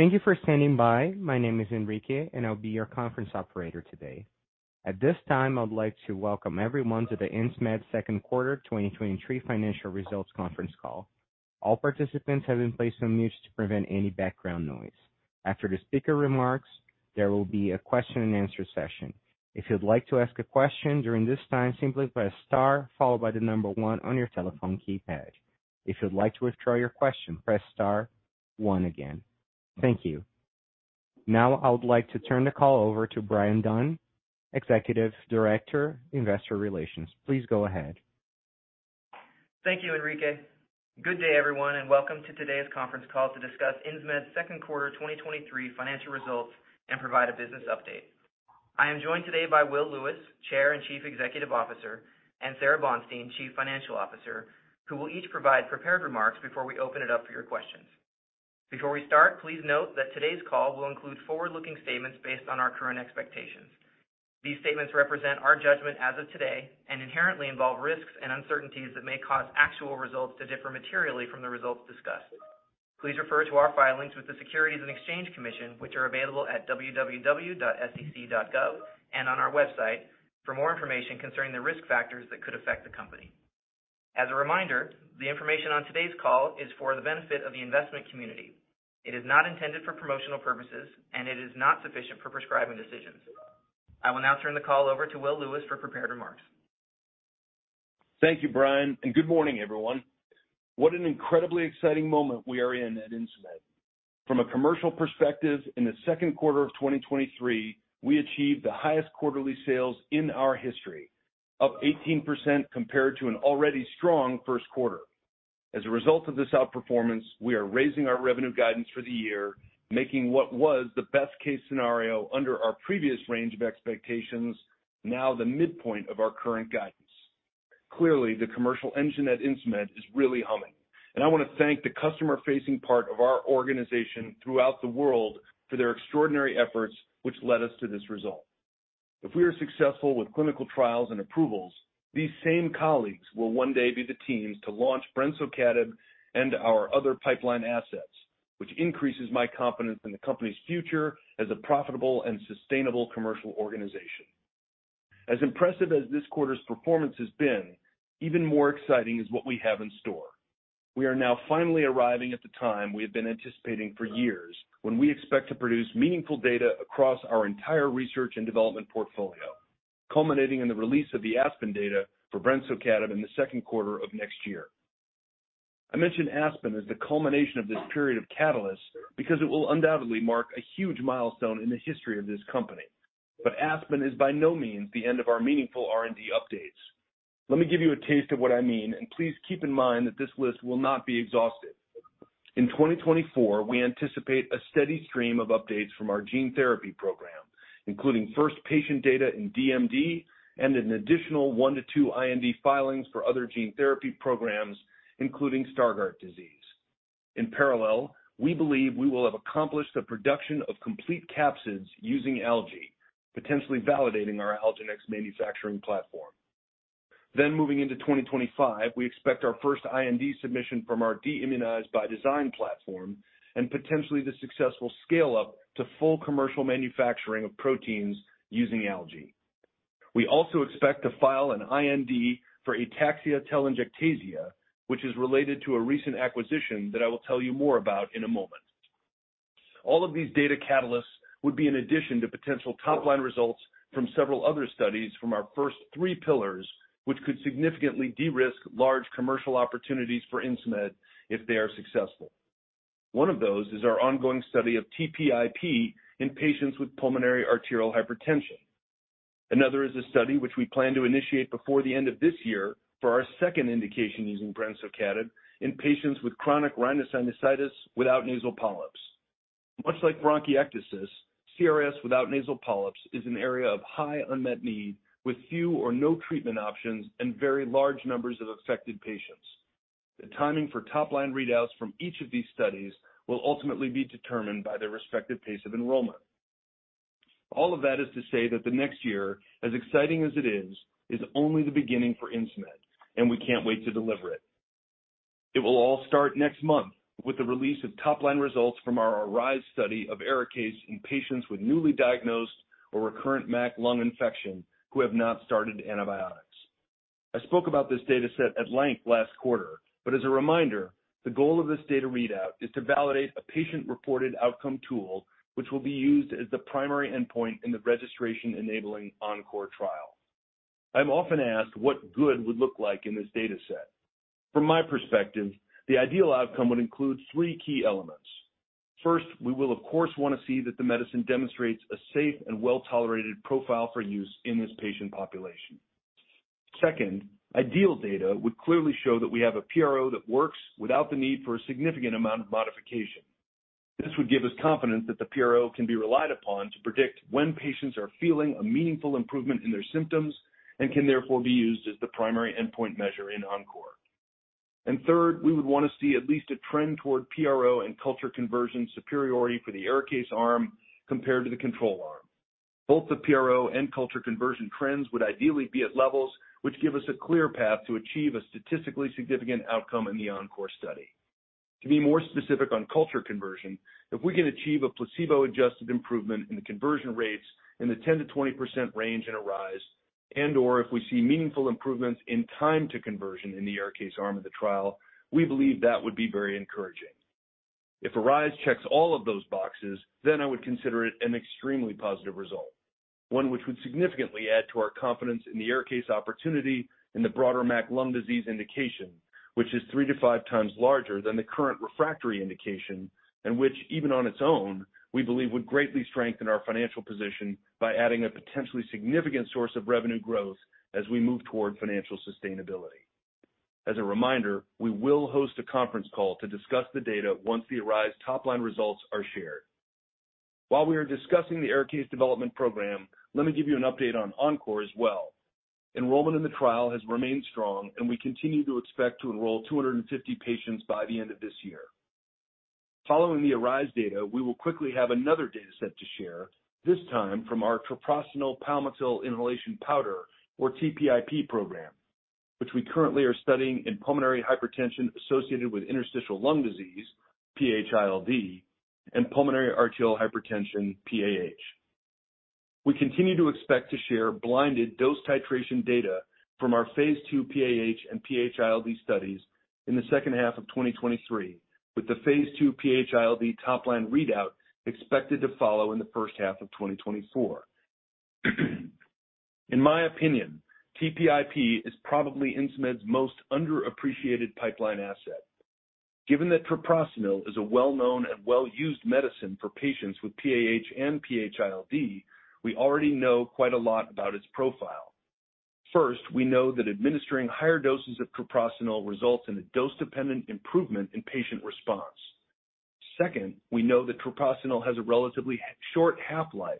Thank you for standing by. My name is Enrique, and I'll be your conference operator today. At this time, I would like to welcome everyone to the Insmed second quarter 2023 financial results conference call. All participants have been placed on mute to prevent any background noise. After the speaker remarks, there will be a question-and-answer session. If you'd like to ask a question during this time, simply press star followed by the number 1 on your telephone keypad. If you'd like to withdraw your question, press star 1 again. Thank you. Now, I would like to turn the call over to Bryan Dunn, Executive Director, Investor Relations. Please go ahead. Thank you, Enrique. Good day, everyone, and welcome to today's conference call to discuss Insmed's second quarter 2023 financial results and provide a business update. I am joined today by Will Lewis, Chair and Chief Executive Officer, and Sara Bonstein, Chief Financial Officer, who will each provide prepared remarks before we open it up for your questions. Before we start, please note that today's call will include forward-looking statements based on our current expectations. These statements represent our judgment as of today and inherently involve risks and uncertainties that may cause actual results to differ materially from the results discussed. Please refer to our filings with the Securities and Exchange Commission, which are available at www.sec.gov and on our website, for more information concerning the risk factors that could affect the company. As a reminder, the information on today's call is for the benefit of the investment community. It is not intended for promotional purposes, and it is not sufficient for prescribing decisions. I will now turn the call over to Will Lewis for prepared remarks. Thank you, Bryan. Good morning, everyone. What an incredibly exciting moment we are in at Insmed! From a commercial perspective, in the second quarter of 2023, we achieved the highest quarterly sales in our history, up 18% compared to an already strong first quarter. As a result of this outperformance, we are raising our revenue guidance for the year, making what was the best-case scenario under our previous range of expectations, now the midpoint of our current guidance. Clearly, the commercial engine at Insmed is really humming. I want to thank the customer-facing part of our organization throughout the world for their extraordinary efforts, which led us to this result. If we are successful with clinical trials and approvals, these same colleagues will one day be the teams to launch Brensocatib and our other pipeline assets, which increases my confidence in the company's future as a profitable and sustainable commercial organization. As impressive as this quarter's performance has been, even more exciting is what we have in store. We are now finally arriving at the time we have been anticipating for years, when we expect to produce meaningful data across our entire research and development portfolio, culminating in the release of the ASPEN data for Brensocatib in the second quarter of next year. I mentioned ASPEN as the culmination of this period of catalysts because it will undoubtedly mark a huge milestone in the history of this company. ASPEN is by no means the end of our meaningful R&D updates. Let me give you a taste of what I mean, and please keep in mind that this list will not be exhaustive. In 2024, we anticipate a steady stream of updates from our gene therapy program, including first patient data in DMD and an additional 1 to 2 IND filings for other gene therapy programs, including Stargardt disease. In parallel, we believe we will have accomplished the production of complete capsids using algae, potentially validating our Algenex manufacturing platform. Moving into 2025, we expect our first IND submission from our de-immunized by design platform and potentially the successful scale-up to full commercial manufacturing of proteins using algae. We also expect to file an IND for ataxia-telangiectasia, which is related to a recent acquisition that I will tell you more about in a moment. All of these data catalysts would be in addition to potential top-line results from several other studies from our first three pillars, which could significantly de-risk large commercial opportunities for Insmed if they are successful. One of those is our ongoing study of TPIP in patients with pulmonary arterial hypertension. Another is a study which we plan to initiate before the end of this year for our second indication using Brensocatib in patients with chronic rhinosinusitis without nasal polyps. Much like bronchiectasis, CRS without nasal polyps is an area of high unmet need with few or no treatment options and very large numbers of affected patients. The timing for top-line readouts from each of these studies will ultimately be determined by their respective pace of enrollment. All of that is to say that the next year, as exciting as it is, is only the beginning for Insmed, and we can't wait to deliver it. It will all start next month with the release of top-line results from our ARISE study of ARIKAYCE in patients with newly diagnosed or recurrent MAC lung infection who have not started antibiotics. I spoke about this data set at length last quarter, but as a reminder, the goal of this data readout is to validate a patient-reported outcome tool, which will be used as the primary endpoint in the registration-enabling ENCORE trial. I'm often asked what good would look like in this data set. From my perspective, the ideal outcome would include three key elements. First, we will, of course, want to see that the medicine demonstrates a safe and well-tolerated profile for use in this patient population. Second, ideal data would clearly show that we have a PRO that works without the need for a significant amount of modification. This would give us confidence that the PRO can be relied upon to predict when patients are feeling a meaningful improvement in their symptoms and can therefore be used as the primary endpoint measure in ENCORE. Third, we would want to see at least a trend toward PRO and culture conversion superiority for the ARIKAYCE arm compared to the control arm. Both the PRO and culture conversion trends would ideally be at levels which give us a clear path to achieve a statistically significant outcome in the ENCORE study. To be more specific on culture conversion, if we can achieve a placebo-adjusted improvement in the conversion rates in the 10%-20% range in ARISE, and or if we see meaningful improvements in time to conversion in the ARIKAYCE arm of the trial, we believe that would be very encouraging. If ARISE checks all of those boxes, then I would consider it an extremely positive result, one which would significantly add to our confidence in the ARIKAYCE opportunity and the broader MAC lung disease indication, which is 3 to 5 times larger than the current refractory indication, and which, even on its own, we believe would greatly strengthen our financial position by adding a potentially significant source of revenue growth as we move toward financial sustainability. As a reminder, we will host a conference call to discuss the data once the ARISE top-line results are shared. While we are discussing the ARIKAYCE development program, let me give you an update on ENCORE as well. Enrollment in the trial has remained strong. We continue to expect to enroll 250 patients by the end of this year. Following the ARISE data, we will quickly have another data set to share, this time from our treprostinil palmitil inhalation powder, or TPIP program, which we currently are studying in pulmonary hypertension associated with interstitial lung disease, PH-ILD, and pulmonary arterial hypertension, PAH. We continue to expect to share blinded dose titration data from our phase II PAH and PH-ILD studies in the second half of 2023, with the phase II PH-ILD top-line readout expected to follow in the first half of 2024. In my opinion, TPIP is probably Insmed's most underappreciated pipeline asset. Given that treprostinil is a well-known and well-used medicine for patients with PAH and PH-ILD, we already know quite a lot about its profile. First, we know that administering higher doses of treprostinil results in a dose-dependent improvement in patient response. Second, we know that treprostinil has a relatively short half-life,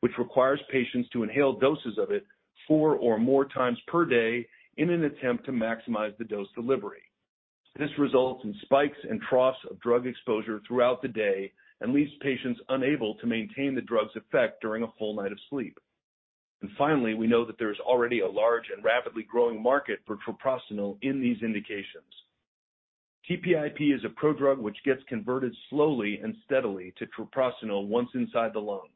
which requires patients to inhale doses of it four or more times per day in an attempt to maximize the dose delivery. This results in spikes and troughs of drug exposure throughout the day and leaves patients unable to maintain the drug's effect during a full night of sleep. Finally, we know that there is already a large and rapidly growing market for treprostinil in these indications. TPIP is a prodrug which gets converted slowly and steadily to treprostinil once inside the lungs.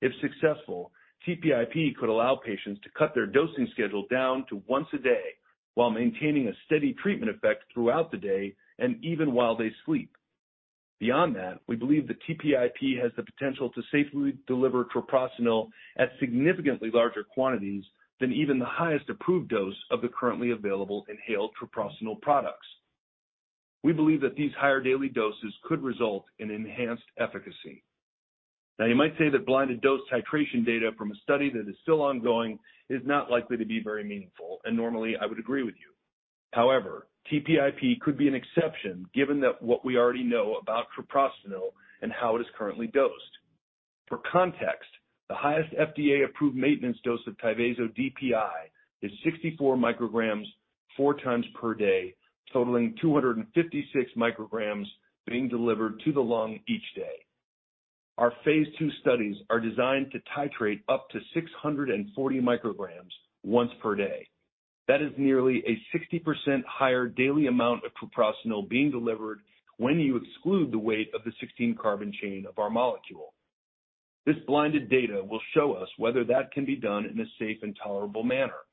If successful, TPIP could allow patients to cut their dosing schedule down to once a day while maintaining a steady treatment effect throughout the day and even while they sleep. Beyond that, we believe that TPIP has the potential to safely deliver treprostinil at significantly larger quantities than even the highest approved dose of the currently available inhaled treprostinil products. We believe that these higher daily doses could result in enhanced efficacy. You might say that blinded dose titration data from a study that is still ongoing is not likely to be very meaningful, and normally, I would agree with you. TPIP could be an exception given that what we already know about treprostinil and how it is currently dosed. For context, the highest FDA-approved maintenance dose of Tyvaso DPI is 64 micrograms, 4 times per day, totaling 256 micrograms being delivered to the lung each day. Our phase II studies are designed to titrate up to 640 micrograms once per day. That is nearly a 60% higher daily amount of treprostinil being delivered when you exclude the weight of the 16-carbon chain of our molecule. This blinded data will show us whether that can be done in a safe and tolerable manner.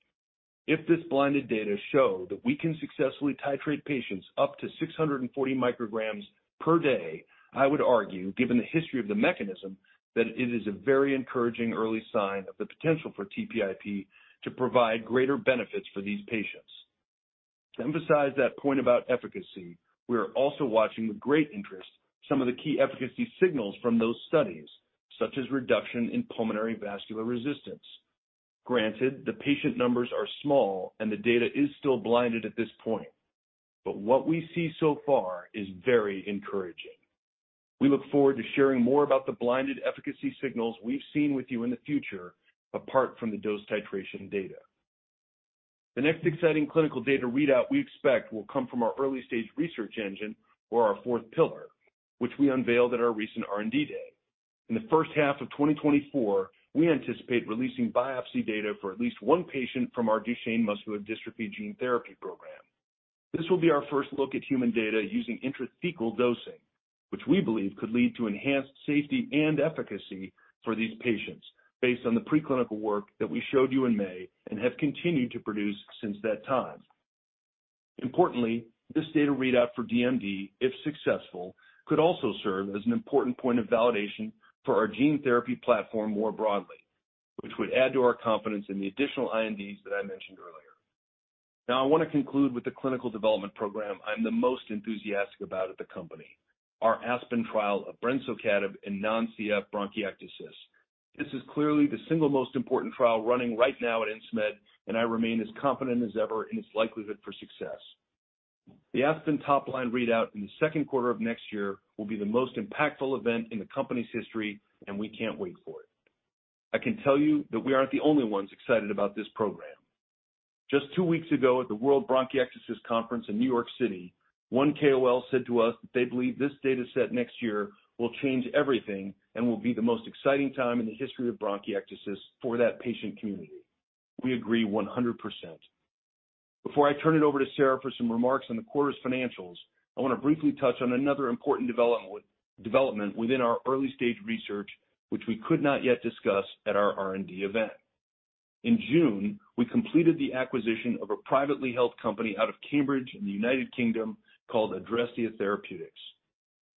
If this blinded data show that we can successfully titrate patients up to 640 micrograms per day, I would argue, given the history of the mechanism, that it is a very encouraging early sign of the potential for TPIP to provide greater benefits for these patients. To emphasize that point about efficacy, we are also watching with great interest some of the key efficacy signals from those studies, such as reduction in pulmonary vascular resistance. Granted, the patient numbers are small and the data is still blinded at this point, what we see so far is very encouraging. We look forward to sharing more about the blinded efficacy signals we've seen with you in the future, apart from the dose titration data. The next exciting clinical data readout we expect will come from our early-stage research engine or our fourth pillar, which we unveiled at our recent R&D Day. In the first half of 2024, we anticipate releasing biopsy data for at least one patient from our Duchenne muscular dystrophy gene therapy program. This will be our first look at human data using intrathecal dosing, which we believe could lead to enhanced safety and efficacy for these patients based on the preclinical work that we showed you in May and have continued to produce since that time. Importantly, this data readout for DMD, if successful, could also serve as an important point of validation for our gene therapy platform more broadly, which would add to our confidence in the additional INDs that I mentioned earlier. I want to conclude with the clinical development program I'm the most enthusiastic about at the company, our ASPEN trial of Brensocatib in non-CF bronchiectasis. This is clearly the single most important trial running right now at Insmed, and I remain as confident as ever in its likelihood for success. The ASPEN top-line readout in the second quarter of next year will be the most impactful event in the company's history, and we can't wait for it. I can tell you that we aren't the only ones excited about this program.... Just two weeks ago at the World Bronchiectasis Conference in New York City, one KOL said to us that they believe this data set next year will change everything and will be the most exciting time in the history of bronchiectasis for that patient community. We agree 100%. Before I turn it over to Sara for some remarks on the quarter's financials, I want to briefly touch on another important development, development within our early-stage research, which we could not yet discuss at our R&D event. In June, we completed the acquisition of a privately held company out of Cambridge in the United Kingdom called Adrestia Therapeutics.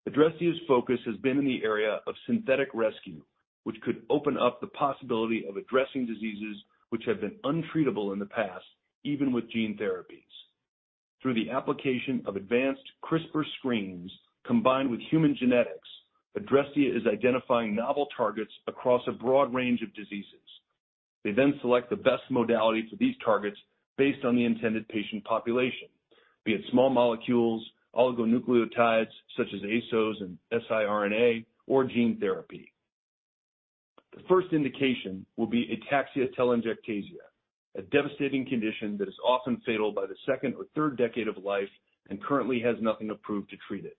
Adrestia's focus has been in the area of synthetic rescue, which could open up the possibility of addressing diseases which have been untreatable in the past, even with gene therapies. Through the application of advanced CRISPR screens combined with human genetics, Adrestia is identifying novel targets across a broad range of diseases. They then select the best modality for these targets based on the intended patient population, be it small molecules, oligonucleotides, such as ASOs and siRNA or gene therapy. The first indication will be ataxia-telangiectasia, a devastating condition that is often fatal by the second or third decade of life and currently has nothing approved to treat it.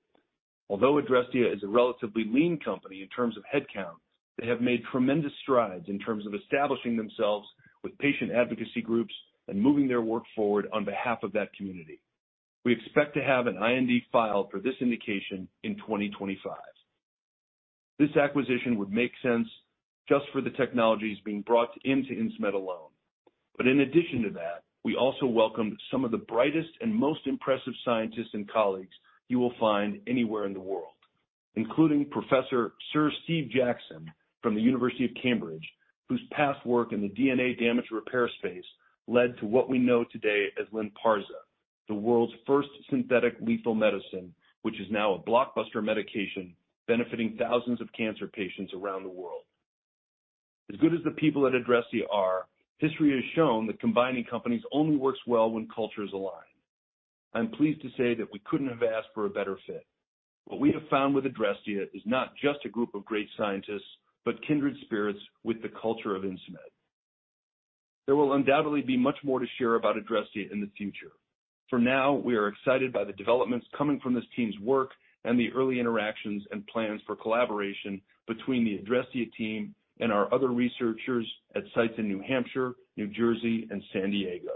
Although Adrestia is a relatively lean company in terms of headcount, they have made tremendous strides in terms of establishing themselves with patient advocacy groups and moving their work forward on behalf of that community. We expect to have an IND filed for this indication in 2025. This acquisition would make sense just for the technologies being brought into Insmed alone. In addition to that, we also welcomed some of the brightest and most impressive scientists and colleagues you will find anywhere in the world, including Professor Sir Steve Jackson from the University of Cambridge, whose past work in the DNA damage repair space led to what we know today as Lynparza, the world's first synthetic lethal medicine, which is now a blockbuster medication benefiting thousands of cancer patients around the world. As good as the people at Adrestia are, history has shown that combining companies only works well when cultures align. I'm pleased to say that we couldn't have asked for a better fit. What we have found with Adrestia is not just a group of great scientists, but kindred spirits with the culture of Insmed. There will undoubtedly be much more to share about Adrestia in the future. For now, we are excited by the developments coming from this team's work and the early interactions and plans for collaboration between the Adrestia team and our other researchers at sites in New Hampshire, New Jersey, and San Diego.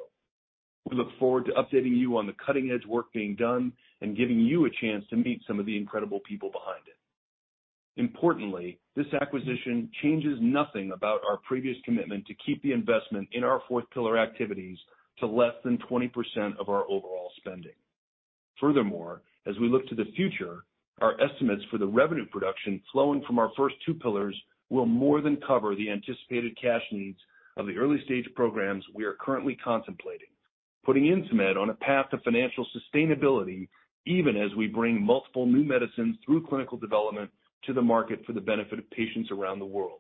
We look forward to updating you on the cutting-edge work being done and giving you a chance to meet some of the incredible people behind it. Importantly, this acquisition changes nothing about our previous commitment to keep the investment in our fourth pillar activities to less than 20% of our overall spending. Furthermore, as we look to the future, our estimates for the revenue production flowing from our first two pillars will more than cover the anticipated cash needs of the early-stage programs we are currently contemplating, putting Insmed on a path to financial sustainability, even as we bring multiple new medicines through clinical development to the market for the benefit of patients around the world.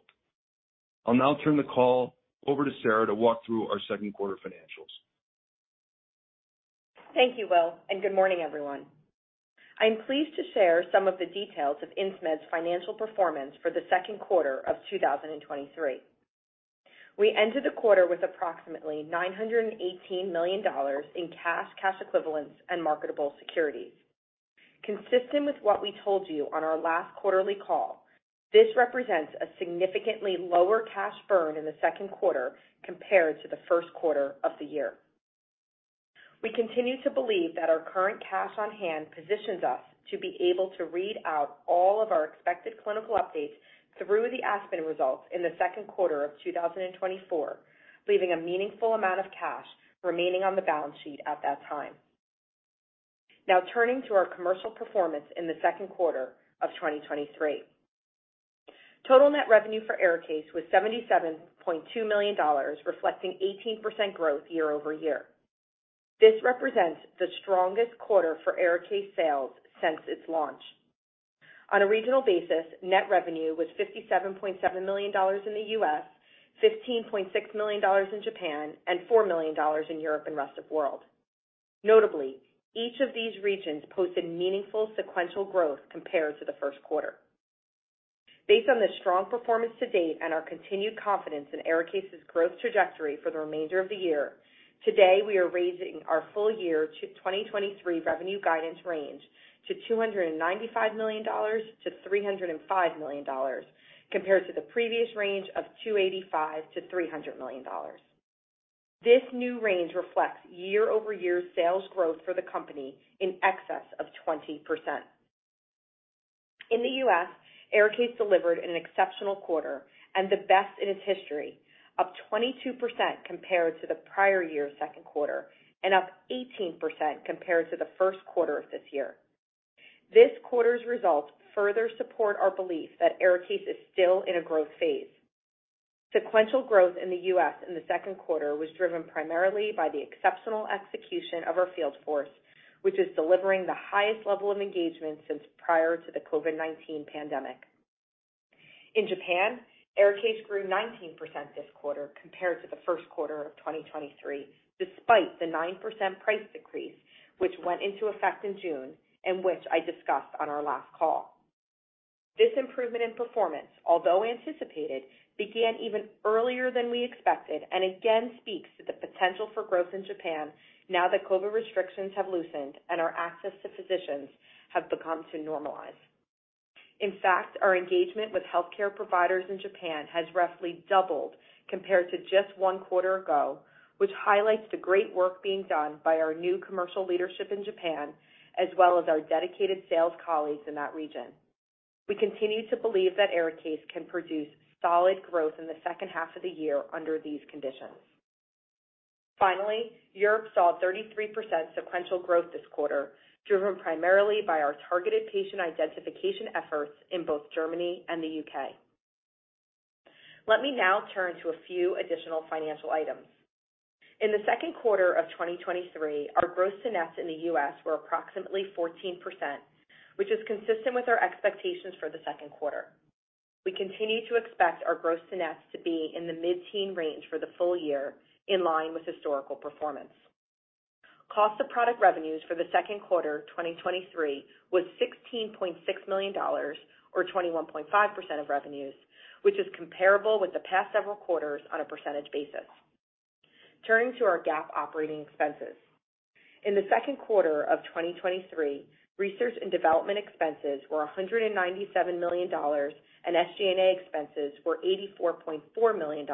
I'll now turn the call over to Sara to walk through our second quarter financials. Thank you, Will. Good morning, everyone. I'm pleased to share some of the details of Insmed's financial performance for the second quarter of 2023. We ended the quarter with approximately $918 million in cash, cash equivalents, and marketable securities. Consistent with what we told you on our last quarterly call, this represents a significantly lower cash burn in the second quarter compared to the first quarter of the year. We continue to believe that our current cash on hand positions us to be able to read out all of our expected clinical updates through the ASPEN results in the second quarter of 2024, leaving a meaningful amount of cash remaining on the balance sheet at that time. Turning to our commercial performance in the second quarter of 2023. Total net revenue for ARIKAYCE was $77.2 million, reflecting 18% growth year-over-year. This represents the strongest quarter for ARIKAYCE sales since its launch. On a regional basis, net revenue was $57.7 million in the US, $15.6 million in Japan, and $4 million in Europe and rest of world. Notably, each of these regions posted meaningful sequential growth compared to the first quarter. Based on the strong performance to date and our continued confidence in ARIKAYCE's growth trajectory for the remainder of the year, today, we are raising our full-year 2023 revenue guidance range to $295 million-$305 million, compared to the previous range of $285 million-$300 million. This new range reflects year-over-year sales growth for the company in excess of 20%. In the U.S., ARIKAYCE delivered an exceptional quarter and the best in its history, up 22% compared to the prior year's second quarter, and up 18% compared to the first quarter of this year. This quarter's results further support our belief that ARIKAYCE is still in a growth phase. Sequential growth in the U.S. in the second quarter was driven primarily by the exceptional execution of our field force, which is delivering the highest level of engagement since prior to the COVID-19 pandemic. In Japan, ARIKAYCE grew 19% this quarter compared to the first quarter of 2023, despite the 9% price decrease, which went into effect in June, and which I discussed on our last call. This improvement in performance, although anticipated, began even earlier than we expected and again speaks to the potential for growth in Japan now that COVID restrictions have loosened and our access to physicians have begun to normalize. In fact, our engagement with healthcare providers in Japan has roughly doubled compared to just one quarter ago, which highlights the great work being done by our new commercial leadership in Japan, as well as our dedicated sales colleagues in that region. We continue to believe that ARIKAYCE can produce solid growth in the second half of the year under these conditions. Europe saw 33% sequential growth this quarter, driven primarily by our targeted patient identification efforts in both Germany and the UK. Let me now turn to a few additional financial items. In the second quarter of 2023, our gross-to-net in the U.S. were approximately 14%, which is consistent with our expectations for the second quarter. We continue to expect our gross-to-net to be in the mid-teen range for the full year, in line with historical performance. Cost of product revenues for the second quarter 2023 was $16.6 million, or 21.5% of revenues, which is comparable with the past several quarters on a percentage basis. Turning to our GAAP operating expenses. In the second quarter of 2023, research and development expenses were $197 million, and SG&A expenses were $84.4 million,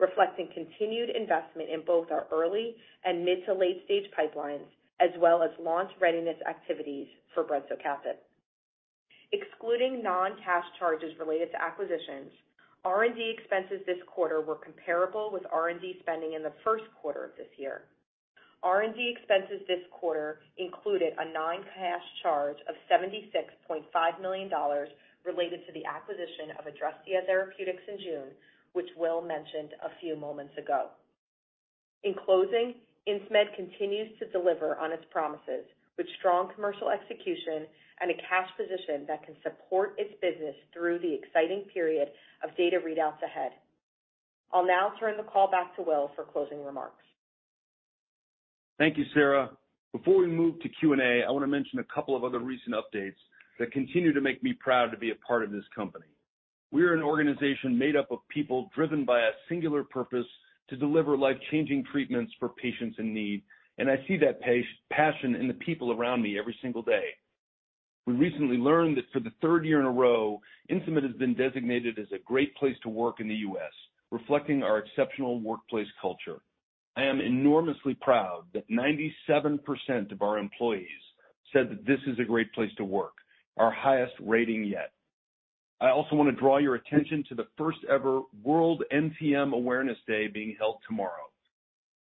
reflecting continued investment in both our early and mid to late-stage pipelines, as well as launch readiness activities for Brensocatib. Excluding non-cash charges related to acquisitions, R&D expenses this quarter were comparable with R&D spending in the first quarter of this year. R&D expenses this quarter included a non-cash charge of $76.5 million related to the acquisition of Adrestia Therapeutics in June, which Will mentioned a few moments ago. In closing, Insmed continues to deliver on its promises, with strong commercial execution and a cash position that can support its business through the exciting period of data readouts ahead. I'll now turn the call back to Will for closing remarks. Thank you, Sara. Before we move to Q&A, I want to mention a couple of other recent updates that continue to make me proud to be a part of this company. We are an organization made up of people driven by a singular purpose to deliver life-changing treatments for patients in need. I see that passion in the people around me every single day. We recently learned that for the third year in a row, Insmed has been designated as a great place to work in the U.S., reflecting our exceptional workplace culture. I am enormously proud that 97% of our employees said that this is a great place to work, our highest rating yet. I also want to draw your attention to the first ever World NTM Awareness Day being held tomorrow.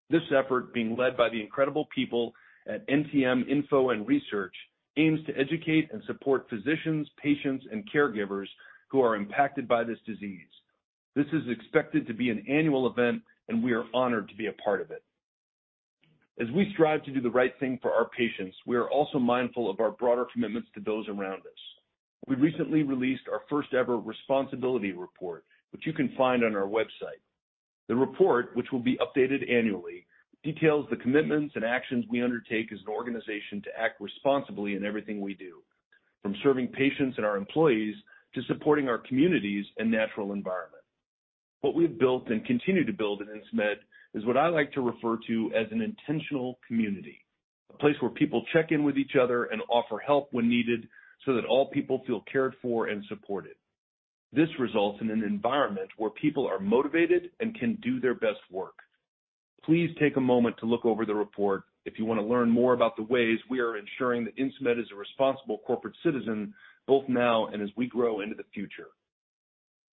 This effort, being led by the incredible people at NTM Info & Research, Inc., aims to educate and support physicians, patients, and caregivers who are impacted by this disease. We are honored to be a part of it. As we strive to do the right thing for our patients, we are also mindful of our broader commitments to those around us. We recently released our first-ever responsibility report, which you can find on our website. The report, which will be updated annually, details the commitments and actions we undertake as an organization to act responsibly in everything we do, from serving patients and our employees, to supporting our communities and natural environment. What we've built and continue to build at Insmed is what I like to refer to as an intentional community, a place where people check in with each other and offer help when needed so that all people feel cared for and supported. This results in an environment where people are motivated and can do their best work. Please take a moment to look over the report if you want to learn more about the ways we are ensuring that Insmed is a responsible corporate citizen, both now and as we grow into the future.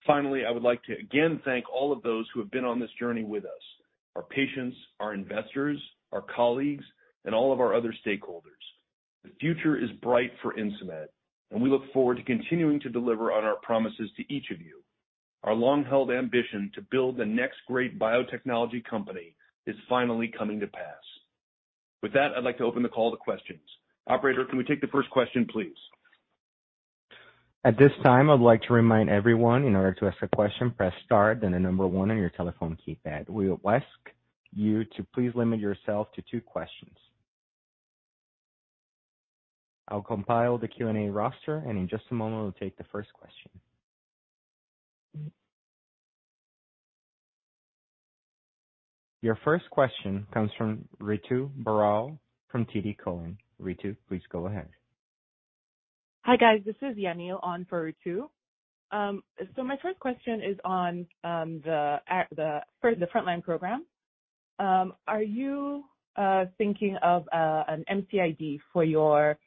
Finally, I would like to again thank all of those who have been on this journey with us, our patients, our investors, our colleagues, and all of our other stakeholders. The future is bright for Insmed, and we look forward to continuing to deliver on our promises to each of you. Our long-held ambition to build the next great biotechnology company is finally coming to pass. With that, I'd like to open the call to questions. Operator, can we take the first question, please? At this time, I'd like to remind everyone, in order to ask a question, press star, then the number one on your telephone keypad. We ask you to please limit yourself to two questions. I'll compile the Q&A roster, and in just a moment, we'll take the first question. Your first question comes from Ritu Baral from TD Cowen. Ritu, please go ahead. Hi, guys, this is Yanil on for Ritu. My first question is on the frontline program. Are you thinking of an MCID for your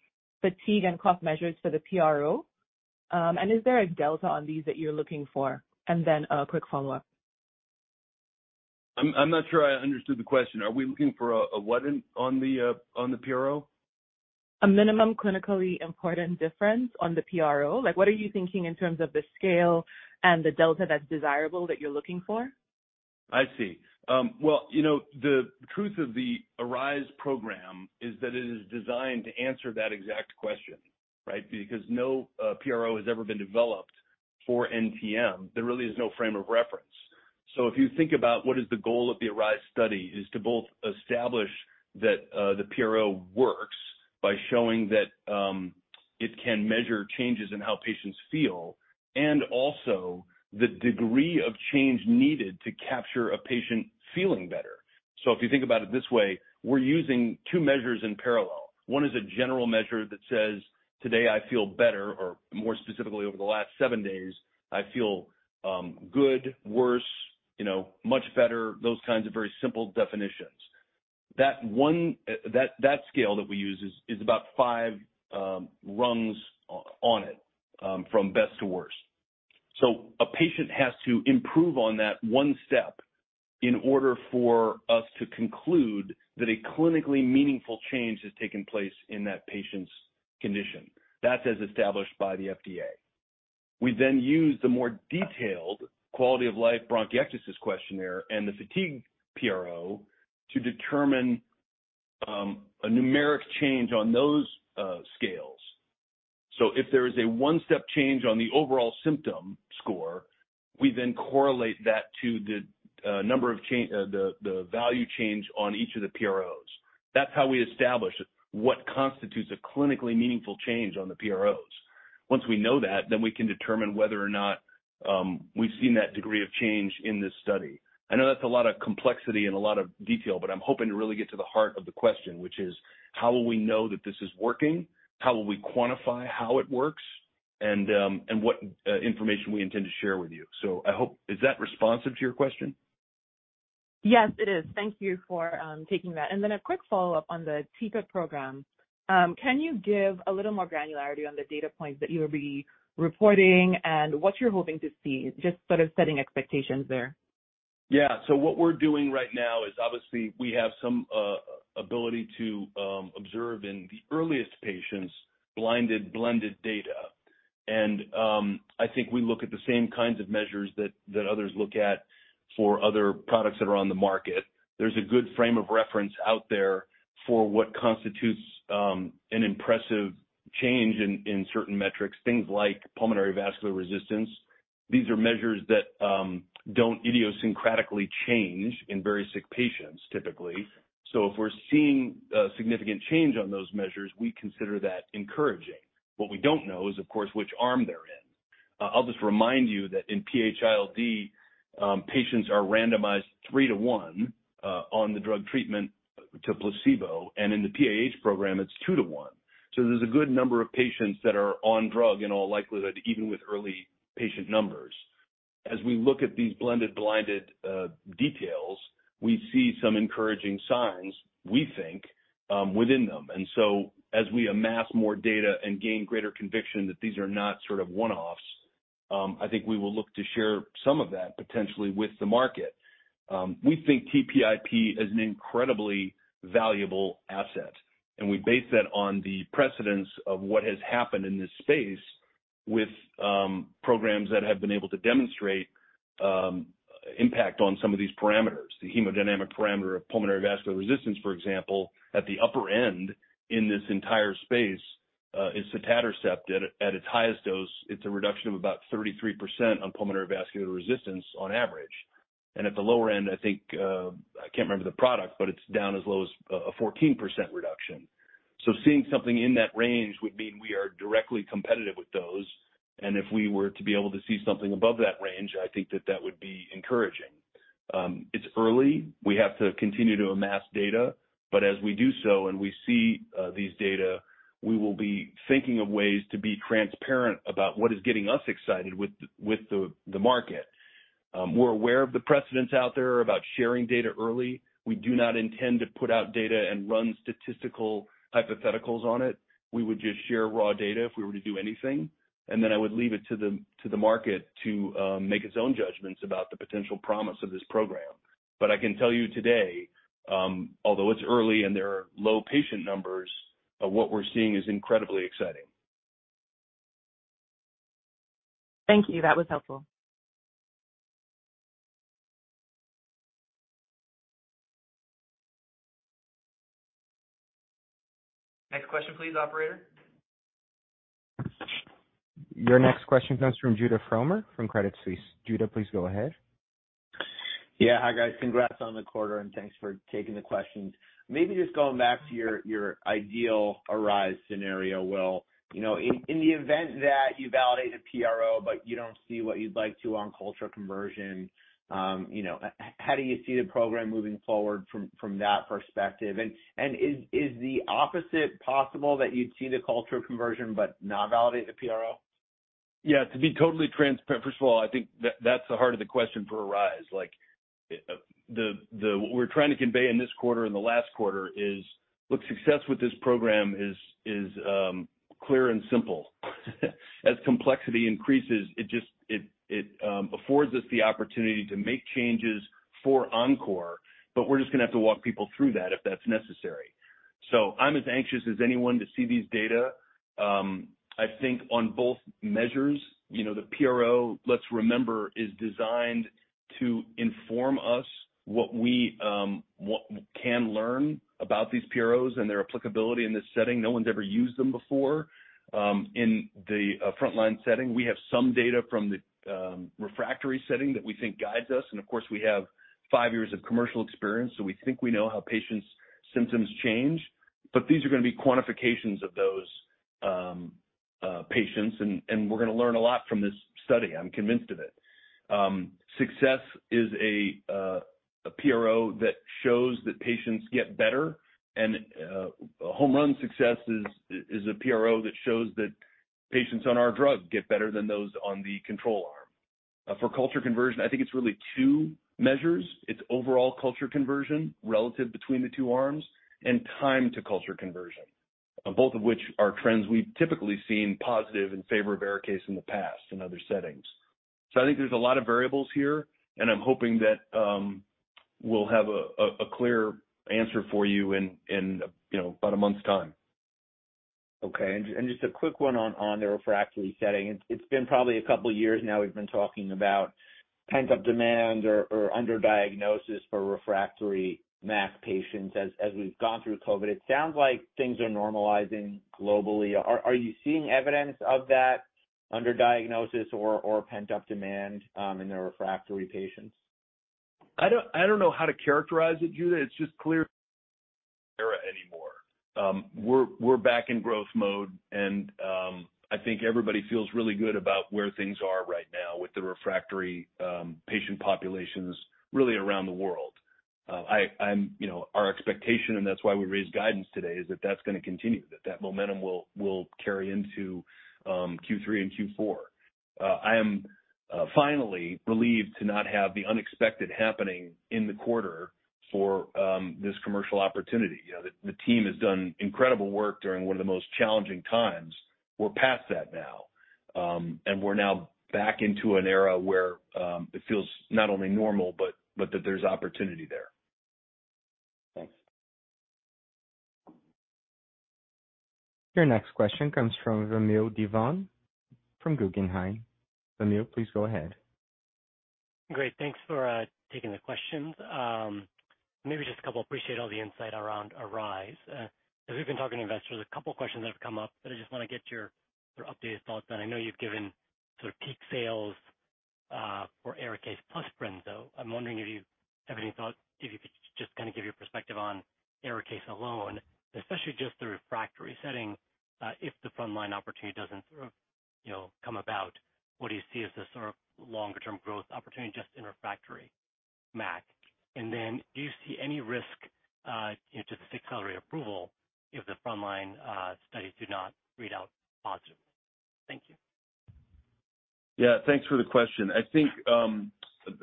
fatigue and cough measures for the PRO? Is there a delta on these that you're looking for? Then a quick follow-up. I'm not sure I understood the question. Are we looking for a what in on the on the PRO? A minimum clinically important difference on the PRO. Like, what are you thinking in terms of the scale and the delta that's desirable that you're looking for? I see. Well, you know, the truth of the ARISE program is that it is designed to answer that exact question, right? No PRO has ever been developed for NTM. There really is no frame of reference. If you think about what is the goal of the ARISE study, is to both establish that the PRO works by showing that it can measure changes in how patients feel, and also the degree of change needed to capture a patient feeling better. If you think about it this way, we're using two measures in parallel. One is a general measure that says, "Today I feel better," or more specifically, "Over the last seven days, I feel, good, worse, you know, much better," those kinds of very simple definitions. That one, that scale that we use is, is about 5 rungs on it, from best to worst. A patient has to improve on that 1 step in order for us to conclude that a clinically meaningful change has taken place in that patient's condition. That's as established by the FDA. We then use the more detailed Quality of Life Bronchiectasis Questionnaire and the fatigue PRO to determine a numeric change on those scales. If there is a 1-step change on the overall symptom score, we then correlate that to the number of the value change on each of the PROs. That's how we establish what constitutes a clinically meaningful change on the PROs. Once we know that, then we can determine whether or not we've seen that degree of change in this study. I know that's a lot of complexity and a lot of detail, but I'm hoping to really get to the heart of the question, which is: How will we know that this is working? How will we quantify how it works? What information we intend to share with you? I hope. Is that responsive to your question? Yes, it is. Thank you for, taking that. A quick follow-up on the TPIP program. Can you give a little more granularity on the data points that you will be reporting and what you're hoping to see? Just sort of setting expectations there. Yeah. What we're doing right now is, obviously, we have some ability to observe in the earliest patients, blinded, blended data. I think we look at the same kinds of measures that, that others look at for other products that are on the market. There's a good frame of reference out there for what constitutes an impressive change in certain metrics, things like pulmonary vascular resistance. These are measures that don't idiosyncratically change in very sick patients, typically. If we're seeing a significant change on those measures, we consider that encouraging. What we don't know is, of course, which arm they're in. I'll just remind you that in PH-ILD patients are randomized 3 to 1 on the drug treatment to placebo, and in the PAH program, it's 2 to 1. There's a good number of patients that are on drug, in all likelihood, even with early patient numbers. As we look at these blended, blinded details, we see some encouraging signs, we think, within them. As we amass more data and gain greater conviction that these are not sort of one-offs, I think we will look to share some of that, potentially, with the market. We think TPIP is an incredibly valuable asset, and we base that on the precedence of what has happened in this space with programs that have been able to demonstrate impact on some of these parameters. The hemodynamic parameter of pulmonary vascular resistance, for example, at the upper end in this entire space, is sotatercept. At its highest dose, it's a reduction of about 33% on pulmonary vascular resistance on average. At the lower end, I think, I can't remember the product, but it's down as low as a 14% reduction. Seeing something in that range would mean we are directly competitive with those, and if we were to be able to see something above that range, I think that that would be encouraging. It's early. We have to continue to amass data, but as we do so and we see these data, we will be thinking of ways to be transparent about what is getting us excited with the, with the, the market. We're aware of the precedents out there about sharing data early. We do not intend to put out data and run statistical hypotheticals on it. We would just share raw data if we were to do anything. Then I would leave it to the market to make its own judgments about the potential promise of this program. I can tell you today, although it's early and there are low patient numbers, what we're seeing is incredibly exciting. Thank you. That was helpful. Next question, please, operator. Your next question comes from Judah Frommer from Credit Suisse. Judah, please go ahead. Yeah. Hi, guys. Congrats on the quarter. Thanks for taking the questions. Maybe just going back to your, your ideal ARISE scenario, Will. You know, in, in the event that you validate a PRO, but you don't see what you'd like to on cultural conversion, you know, how do you see the program moving forward from that perspective? Is the opposite possible that you'd see the cultural conversion but not validate the PRO? Yeah, to be totally transparent, first of all, I think that, that's the heart of the question for ARISE. Like, what we're trying to convey in this quarter and the last quarter is, look, success with this program is, is clear and simple. As complexity increases, it just, it, it affords us the opportunity to make changes for ENCORE, but we're just gonna have to walk people through that if that's necessary. I'm as anxious as anyone to see these data. I think on both measures, you know, the PRO, let's remember, is designed to inform us what we can learn about these PROs and their applicability in this setting. No one's ever used them before, in the frontline setting. We have some data from the refractory setting that we think guides us, and of course, we have five years of commercial experience, so we think we know how patients' symptoms change. These are gonna be quantifications of those patients, and we're gonna learn a lot from this study. I'm convinced of it. Success is a PRO that shows that patients get better, and home run success is a PRO that shows that patients on our drug get better than those on the control arm. For culture conversion, I think it's really two measures. It's overall culture conversion, relative between the two arms, and time to culture conversion, both of which are trends we've typically seen positive in favor of ARIKAYCE in the past, in other settings. I think there's a lot of variables here, and I'm hoping that we'll have a clear answer for you in, you know, about a month's time. Okay. Just a quick one on, on the refractory setting. It's been probably a couple of years now, we've been talking about pent-up demand or, or underdiagnosis for refractory MAC patients. As we've gone through COVID, it sounds like things are normalizing globally. Are you seeing evidence of that underdiagnosis or, or pent-up demand in the refractory patients? I don't, I don't know how to characterize it, Judah. It's just clear era anymore. We're, we're back in growth mode, and I think everybody feels really good about where things are right now with the refractory patient populations really around the world. You know, our expectation, and that's why we raised guidance today, is that that's gonna continue, that that momentum will, will carry into Q3 and Q4. I am finally relieved to not have the unexpected happening in the quarter for this commercial opportunity. You know, the, the team has done incredible work during one of the most challenging times. We're past that now, and we're now back into an era where it feels not only normal, but, but that there's opportunity there. Thanks. Your next question comes from Vamil Divan, from Guggenheim. Vamil, please go ahead. Great. Thanks for taking the questions. Maybe just a couple. Appreciate all the insight around ARISE. As we've been talking to investors, a couple of questions that have come up, but I just want to get your sort of updated thoughts on. I know you've given sort of peak sales for ARIKAYCE plus brinzo. I'm wondering if you have any thoughts. If you could just kind of give your perspective on ARIKAYCE alone, especially just the refractory setting, if the frontline opportunity doesn't, you know, come about, what do you see as the sort of longer-term growth opportunity just in refractory MAC? Do you see any risk to the accelerated approval if the frontline studies do not read out positive? Thank you. Yeah, thanks for the question. I think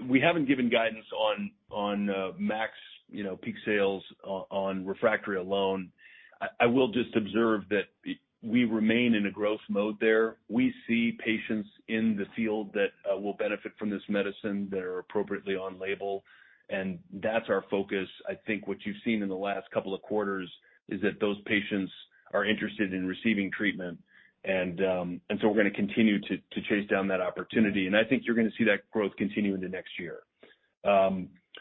we haven't given guidance on, on MAC, you know, peak sales on, on refractory alone. I, I will just observe that we remain in a growth mode there. We see patients in the field that will benefit from this medicine, that are appropriately on label, and that's our focus. I think what you've seen in the last couple of quarters is that those patients are interested in receiving treatment, and so we're gonna continue to, to chase down that opportunity, and I think you're gonna see that growth continue into next year.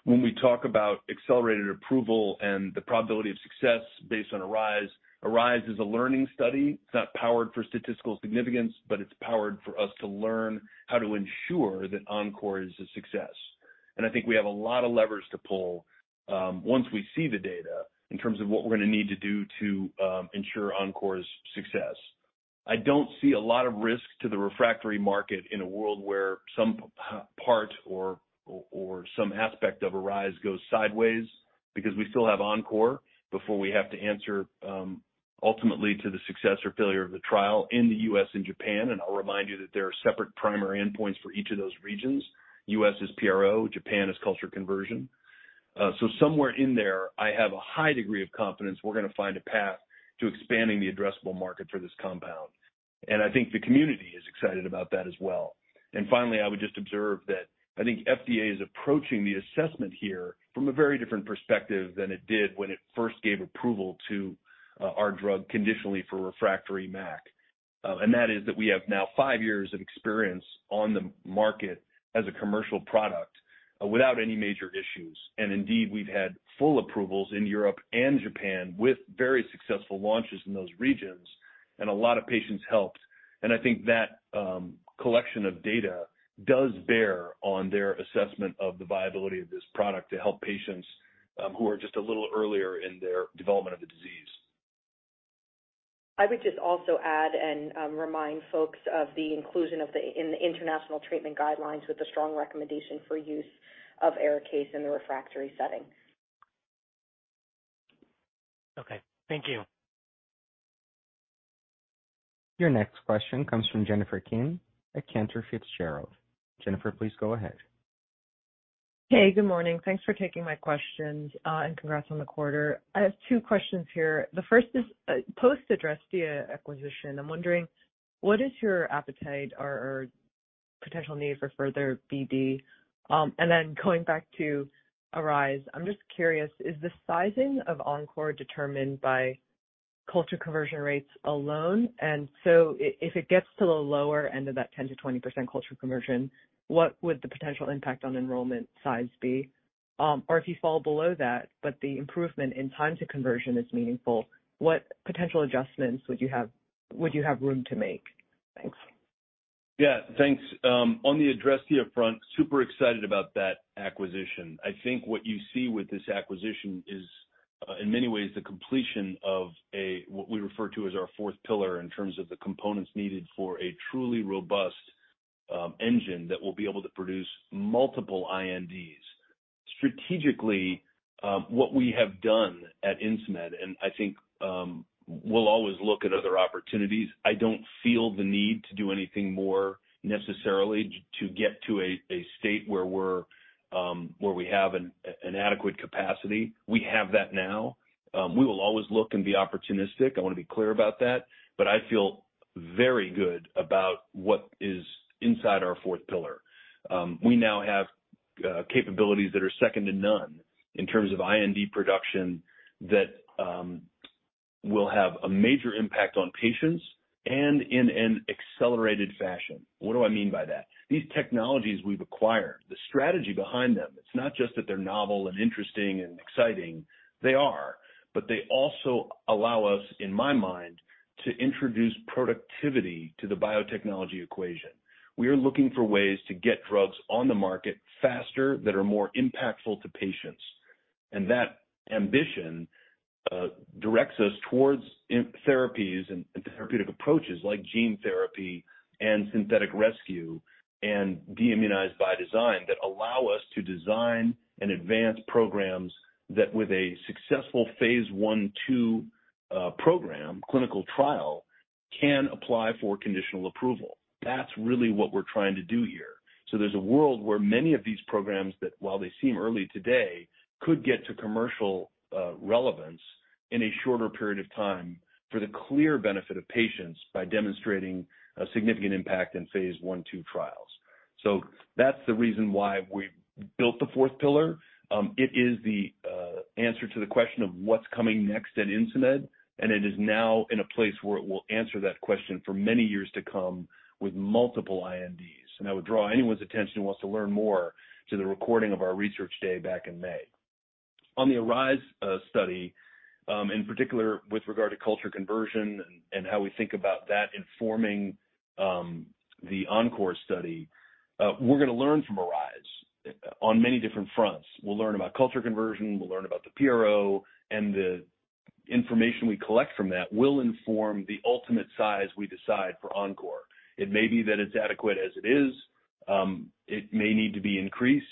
When we talk about accelerated approval and the probability of success based on ARISE, ARISE is a learning study. It's not powered for statistical significance, but it's powered for us to learn how to ensure that ENCORE is a success. I think we have a lot of levers to pull, once we see the data in terms of what we're gonna need to do to ensure ENCORE's success. I don't see a lot of risk to the refractory market in a world where some part or, or some aspect of Arise goes sideways because we still have ENCORE before we have to answer, ultimately to the success or failure of the trial in the US and Japan, and I'll remind you that there are separate primary endpoints for each of those regions. US is PRO, Japan is culture conversion. Somewhere in there, I have a high degree of confidence we're gonna find a path to expanding the addressable market for this compound, and I think the community is excited about that as well. Finally, I would just observe that I think FDA is approaching the assessment here from a very different perspective than it did when it first gave approval to our drug conditionally for refractory MAC. That is that we have now five years of experience on the market as a commercial product without any major issues. Indeed, we've had full approvals in Europe and Japan, with very successful launches in those regions and a lot of patients helped. I think that collection of data does bear on their assessment of the viability of this product to help patients who are just a little earlier in their development of the disease. I would just also add and remind folks of the inclusion of the, in the international treatment guidelines, with a strong recommendation for use of ARIKAYCE in the refractory setting. Okay. Thank you. Your next question comes from Jennifer Kim at Cantor Fitzgerald. Jennifer, please go ahead. Hey, good morning. Thanks for taking my questions, and congrats on the quarter. I have two questions here. The first is, post Adrestia acquisition, I'm wondering, what is your appetite or potential need for further BD? Then going back to ARISE, I'm just curious, is the sizing of ENCORE determined by culture conversion rates alone? If it gets to the lower end of that 10%-20% culture conversion, what would the potential impact on enrollment size be? Or if you fall below that, but the improvement in time to conversion is meaningful, what potential adjustments would you have room to make? Thanks. Yeah, thanks. on the Adrestia upfront, super excited about that acquisition. I think what you see with this acquisition is in many ways the completion of what we refer to as our fourth pillar, in terms of the components needed for a truly robust engine that will be able to produce multiple INDs. Strategically, what we have done at Insmed, and I think, we'll always look at other opportunities, I don't feel the need to do anything more necessarily to get to a state where we have an adequate capacity. We have that now. We will always look and be opportunistic, I want to be clear about that, but I feel very good about what is inside our fourth pillar. We now have capabilities that are second to none in terms of IND production, that will have a major impact on patients and in an accelerated fashion. What do I mean by that? These technologies we've acquired, the strategy behind them, it's not just that they're novel and interesting and exciting. They are, but they also allow us, in my mind, to introduce productivity to the biotechnology equation. We are looking for ways to get drugs on the market faster, that are more impactful to patients. And that ambition directs us towards in- therapies and therapeutic approaches like gene therapy and synthetic rescue, and de-immunized by design, that allow us to design and advance programs that with a successful phase 1, 2 program, clinical trial, can apply for conditional approval. That's really what we're trying to do here. There's a world where many of these programs that, while they seem early today, could get to commercial relevance in a shorter period of time for the clear benefit of patients, by demonstrating a significant impact in phase 1, 2 trials. That's the reason why we built the fourth pillar. It is the answer to the question of what's coming next at Insmed, and it is now in a place where it will answer that question for many years to come with multiple INDs. I would draw anyone's attention who wants to learn more to the recording of our research day back in May. On the ARISE study, in particular with regard to culture conversion and, and how we think about that informing the ENCORE study, we're gonna learn from ARISE on many different fronts. We'll learn about culture conversion, we'll learn about the PRO, and the information we collect from that will inform the ultimate size we decide for ENCORE. It may be that it's adequate as it is, it may need to be increased.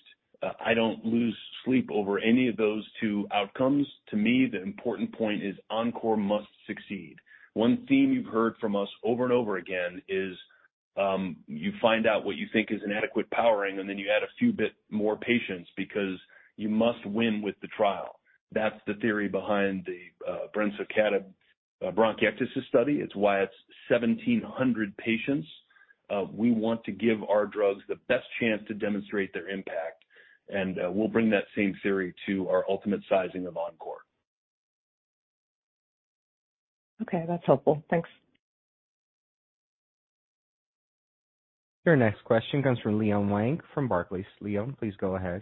I don't lose sleep over any of those two outcomes. To me, the important point is ENCORE must succeed. One theme you've heard from us over and over again is, you find out what you think is an adequate powering, and then you add a few bit more patients, because you must win with the trial. That's the theory behind the Brensocatib bronchiectasis study. It's why it's 1,700 patients. We want to give our drugs the best chance to demonstrate their impact, and we'll bring that same theory to our ultimate sizing of ENCORE. Okay, that's helpful. Thanks. Your next question comes from Leon Wang from Barclays. Leon, please go ahead.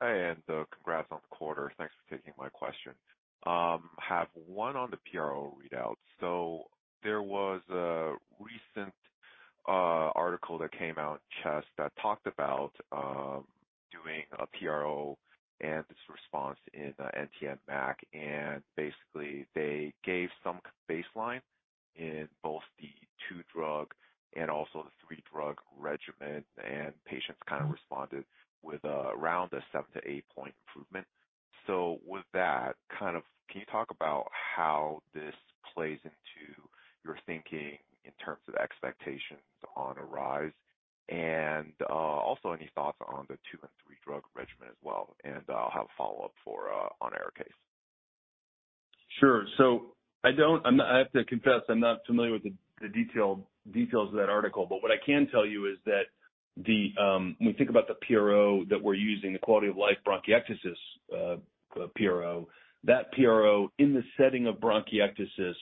Hi, congrats on the quarter. Thanks for taking my question. Have one on the PRO readout. There was a recent article that came out in CHEST that talked about doing a PRO and its response in an NTM MAC, and basically, they gave some baseline in both the two-drug and also the three-drug regimen, and patients kind of responded with around a 7 to 8 point improvement. With that, kind of, can you talk about how this plays into your thinking in terms of expectations on ARISE? Also, any thoughts on the two and three-drug regimen as well? I'll have a follow-up for on ARIKAYCE. Sure. I don't I have to confess, I'm not familiar with the, the detail, details of that article. What I can tell you is that when we think about the PRO that we're using, the quality of life bronchiectasis PRO, that PRO in the setting of bronchiectasis,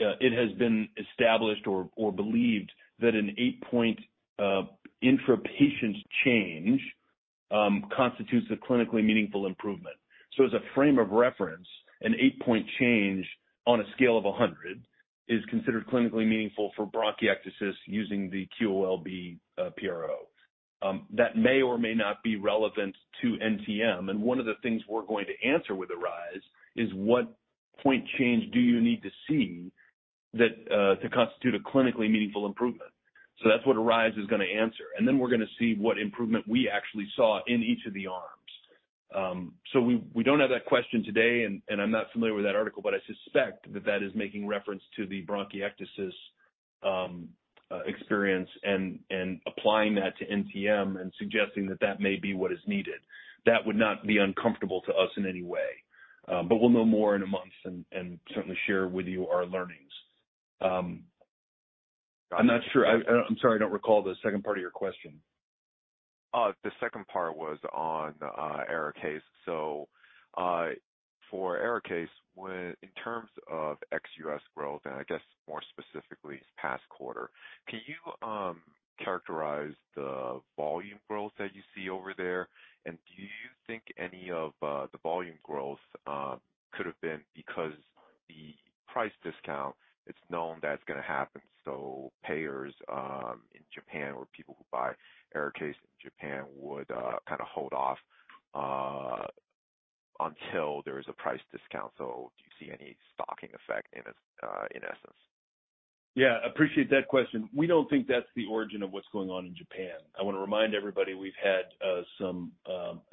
it has been established or believed that an eight-point intrapatient change constitutes a clinically meaningful improvement. As a frame of reference, an eight-point change on a scale of 100 is considered clinically meaningful for bronchiectasis using the QOLB PRO. That may or may not be relevant to NTM, and one of the things we're going to answer with ARISE is what point change do you need to see that to constitute a clinically meaningful improvement? That's what ARISE is gonna answer, then we're gonna see what improvement we actually saw in each of the arms. We, we don't have that question today, and I'm not familiar with that article, I suspect that that is making reference to the bronchiectasis experience and applying that to NTM and suggesting that that may be what is needed. That would not be uncomfortable to us in any way. We'll know more in a month and certainly share with you our learnings. I'm not sure. I, I'm sorry, I don't recall the second part of your question. The second part was on ARIKAYCE. For ARIKAYCE, in terms of ex-US growth, and I guess more specifically this past quarter, can you characterize the volume growth that you see over there? Do you think any of the volume growth could have been because the price discount, it's known that's gonna happen, so payers in Japan or people who buy ARIKAYCE in Japan would kind of hold off until there is a price discount? Do you see any stocking effect in essence? Yeah, appreciate that question. We don't think that's the origin of what's going on in Japan. I want to remind everybody, we've had some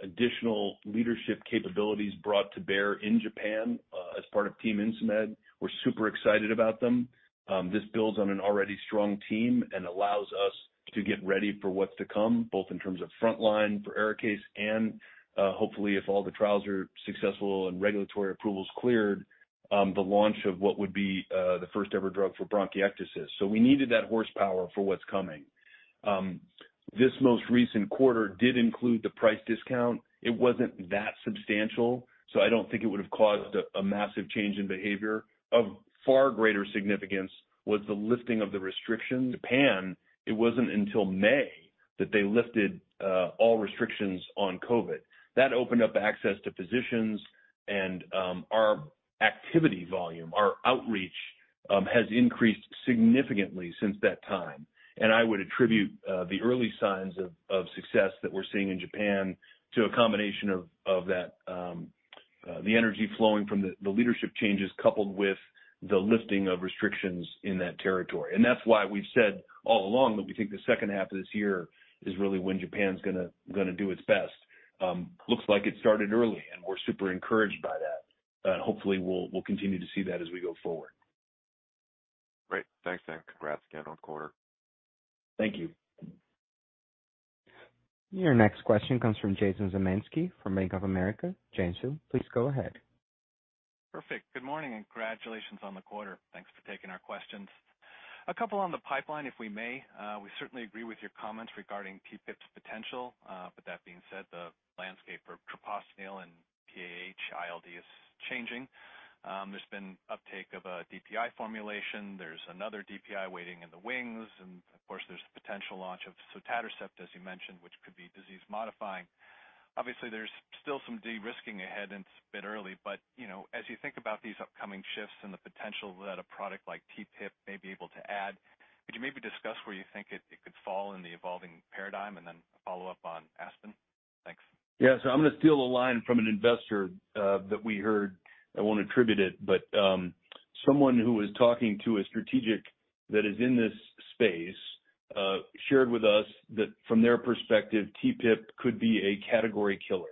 additional leadership capabilities brought to bear in Japan as part of team Insmed. We're super excited about them. This builds on an already strong team and allows us to get ready for what's to come, both in terms of frontline for ARIKAYCE and hopefully, if all the trials are successful and regulatory approval is cleared, the launch of what would be the first-ever drug for bronchiectasis. We needed that horsepower for what's coming. This most recent quarter did include the price discount. It wasn't that substantial, so I don't think it would have caused a massive change in behavior. Of far greater significance was the lifting of the restrictions. Japan, it wasn't until May that they lifted all restrictions on COVID. That opened up access to physicians, our activity volume, our outreach has increased significantly since that time. I would attribute the early signs of success that we're seeing in Japan to a combination of that, the energy flowing from the leadership changes, coupled with the lifting of restrictions in that territory. That's why we've said all along that we think the second half of this year is really when Japan's gonna, gonna do its best. Looks like it started early, and we're super encouraged by that. Hopefully, we'll continue to see that as we go forward. Great. Thanks, and congrats again on the quarter. Thank you. Your next question comes from Jason Zemansky from Bank of America. Jason, please go ahead. Perfect. Good morning, and congratulations on the quarter. Thanks for taking our questions. A couple on the pipeline, if we may. We certainly agree with your comments regarding TPIP's potential. With that being said, the landscape for treprostinil and PAH, ILD is changing. There's been uptake of a DPI formulation. There's another DPI waiting in the wings, and of course, there's the potential launch of Sotatercept, as you mentioned, which could be disease-modifying. Obviously, there's still some de-risking ahead, and it's a bit early, but, you know, as you think about these upcoming shifts and the potential that a product like TPIP may be able to add, could you maybe discuss where you think it, it could fall in the evolving paradigm? Then a follow-up on ASPEN. Thanks. I'm gonna steal a line from an investor that we heard. I won't attribute it, but someone who was talking to a strategic that is in this space shared with us that from their perspective, TPIP could be a category killer.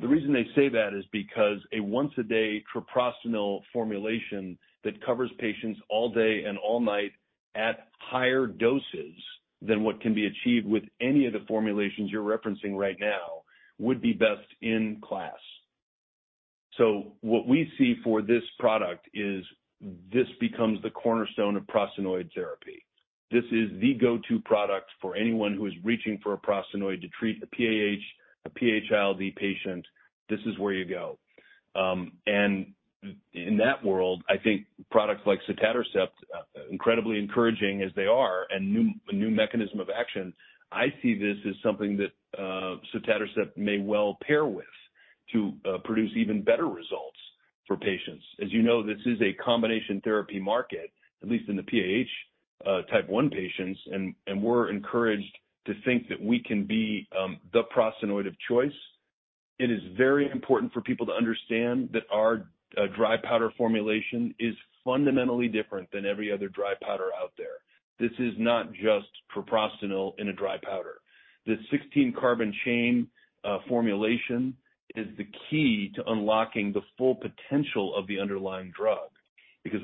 The reason they say that is because a once-a-day treprostinil formulation that covers patients all day and all night at higher doses than what can be achieved with any of the formulations you're referencing right now, would be best in class. What we see for this product is this becomes the cornerstone of prostinoid therapy. This is the go-to product for anyone who is reaching for a prostinoid to treat a PAH, a PH-ILD patient, this is where you go. In that world, I think products like Sotatercept, incredibly encouraging as they are and new, a new mechanism of action, I see this as something that Sotatercept may well pair with to produce even better results for patients. As you know, this is a combination therapy market, at least in the PAH, type one patients, and, and we're encouraged to think that we can be the prostinoid of choice. It is very important for people to understand that our dry powder formulation is fundamentally different than every other dry powder out there. This is not just treprostinil in a dry powder. The 16 carbon chain formulation is the key to unlocking the full potential of the underlying drug.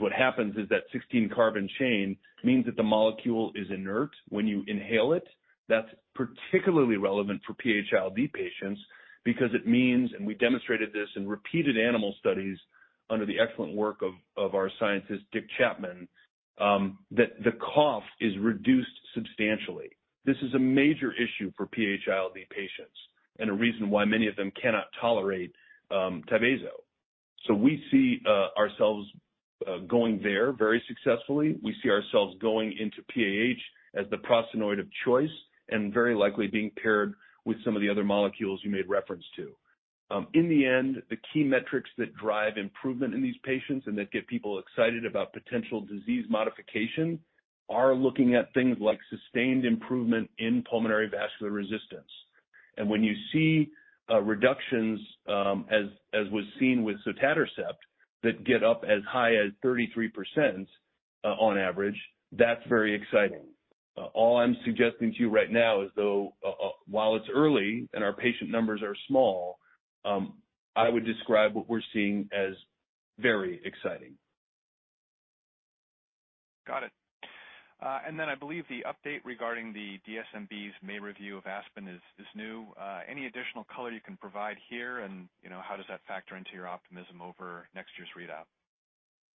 What happens is that 16 carbon chain means that the molecule is inert when you inhale it. That's particularly relevant for PH-ILD patients because it means, and we demonstrated this in repeated animal studies under the excellent work of, of our scientist, Dick Chapman, that the cough is reduced substantially. This is a major issue for PH-ILD patients and a reason why many of them cannot tolerate, Tyvaso. We see ourselves going there very successfully. We see ourselves going into PAH as the prostinoid of choice and very likely being paired with some of the other molecules you made reference to. In the end, the key metrics that drive improvement in these patients and that get people excited about potential disease modification are looking at things like sustained improvement in pulmonary vascular resistance. When you see reductions, as, as was seen with Sotatercept, that get up as high as 33% on average, that's very exciting. All I'm suggesting to you right now is, though, while it's early and our patient numbers are small, I would describe what we're seeing as very exciting. Got it. I believe the update regarding the DSMB's May review of ASPEN is, is new. Any additional color you can provide here, and, you know, how does that factor into your optimism over next year's readout?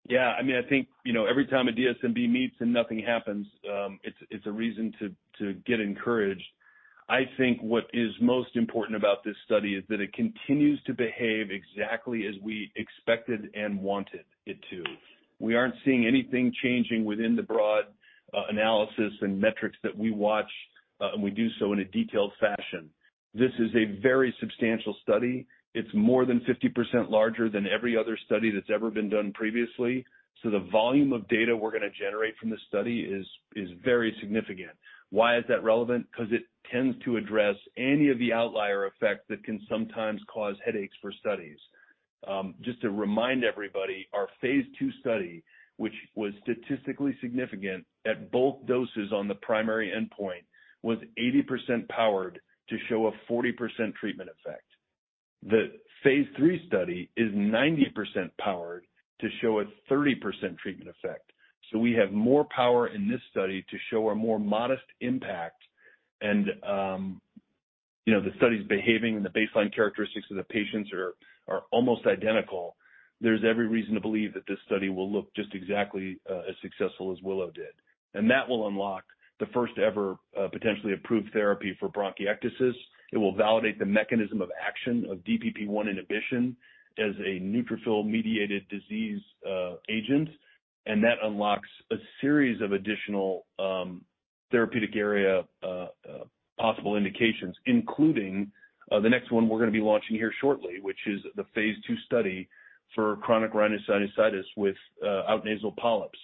Yeah, I mean, I think, you know, every time a DSMB meets and nothing happens, it's, it's a reason to, to get encouraged. I think what is most important about this study is that it continues to behave exactly as we expected and wanted it to. We aren't seeing anything changing within the broad analysis and metrics that we watch, and we do so in a detailed fashion. This is a very substantial study. It's more than 50% larger than every other study that's ever been done previously. The volume of data we're gonna generate from this study is, is very significant. Why is that relevant? It tends to address any of the outlier effects that can sometimes cause headaches for studies. Just to remind everybody, our phase two study, which was statistically significant at both doses on the primary endpoint, was 80% powered to show a 40% treatment effect. The phase three study is 90% powered to show a 30% treatment effect. We have more power in this study to show a more modest impact. You know, the study's behaving, and the baseline characteristics of the patients are, are almost identical. There's every reason to believe that this study will look just exactly as successful as WILLOW did. That will unlock the first-ever potentially approved therapy for bronchiectasis. It will validate the mechanism of action of DPP1 inhibition as a neutrophil-mediated disease agent, and that unlocks a series of additional therapeutic area possible indications, including the next one we're gonna be launching here shortly, which is the phase 2 study for chronic rhinosinusitis without nasal polyps.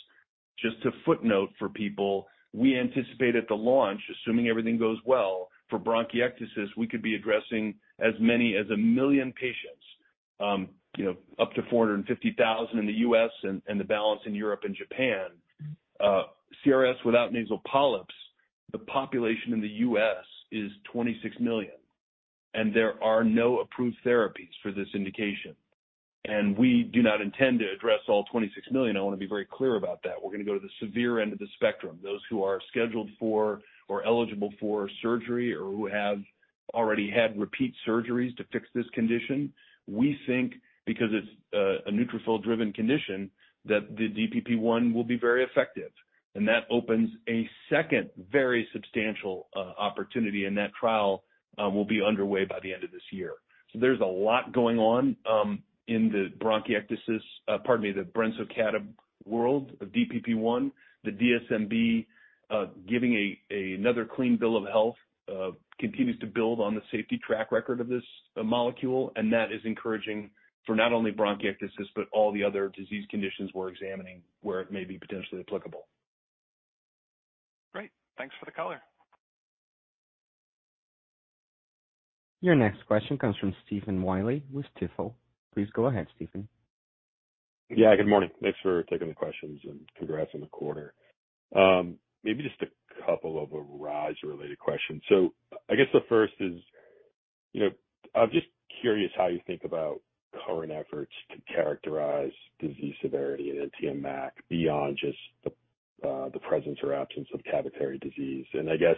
Just to footnote for people, we anticipate at the launch, assuming everything goes well, for bronchiectasis, we could be addressing as many as 1 million patients, you know, up to 450,000 in the US and the balance in Europe and Japan. CRS without nasal polyps, the population in the US is 26 million, and there are no approved therapies for this indication. We do not intend to address all 26 million. I want to be very clear about that. We're going to go to the severe end of the spectrum, those who are scheduled for or eligible for surgery, or who have already had repeat surgeries to fix this condition. We think because it's a neutrophil-driven condition, that the DPP1 will be very effective. That opens a second very substantial opportunity, and that trial will be underway by the end of this year. There's a lot going on in the bronchiectasis, pardon me, the Brensocatib world of DPP1. The DSMB giving another clean bill of health continues to build on the safety track record of this molecule, and that is encouraging for not only bronchiectasis, but all the other disease conditions we're examining, where it may be potentially applicable. Great. Thanks for the color. Your next question comes from Stephen Willey with Stifel. Please go ahead, Stephen. Yeah, good morning. Thanks for taking the questions, and congrats on the quarter. Maybe just a couple of ARISE-related questions. I guess the first is, you know, I'm just curious how you think about current efforts to characterize disease severity and NTM MAC beyond just the presence or absence of cavitary disease, and I guess,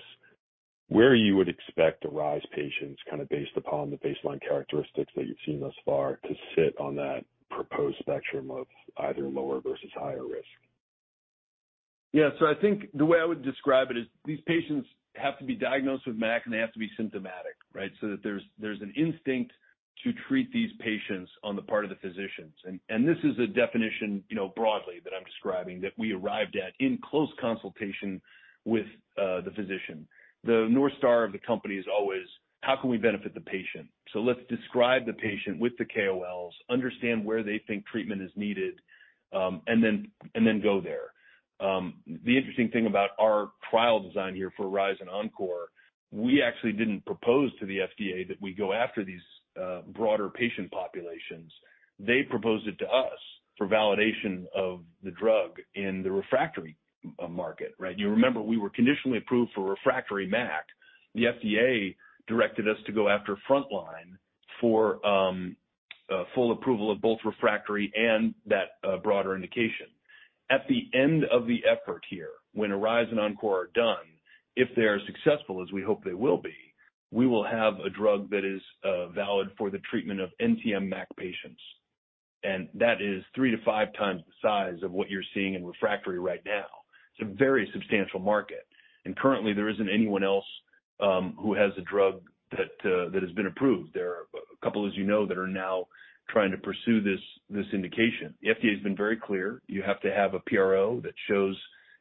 where you would expect ARISE patients, kind of based upon the baseline characteristics that you've seen thus far, to sit on that proposed spectrum of either lower versus higher risk? Yeah. I think the way I would describe it is, these patients have to be diagnosed with MAC, and they have to be symptomatic, right? That there's, there's an instinct to treat these patients on the part of the physicians. And this is a definition, you know, broadly, that I'm describing, that we arrived at in close consultation with the physician. The North Star of the company is always: How can we benefit the patient? Let's describe the patient with the KOLs, understand where they think treatment is needed, and then, and then go there. The interesting thing about our trial design here for ARISE and ENCORE, we actually didn't propose to the FDA that we go after these broader patient populations. They proposed it to us for validation of the drug in the refractory m- market, right? You remember, we were conditionally approved for refractory MAC. The FDA directed us to go after frontline for, full approval of both refractory and that, broader indication. At the end of the effort here, when ARISE and ENCORE are done, if they are as successful as we hope they will be, we will have a drug that is, valid for the treatment of NTM MAC patients, and that is three to five times the size of what you're seeing in refractory right now. It's a very substantial market, and currently, there isn't anyone else, who has a drug that, that has been approved. There are a couple, as you know, that are now trying to pursue this, this indication. The FDA has been very clear. You have to have a PRO that shows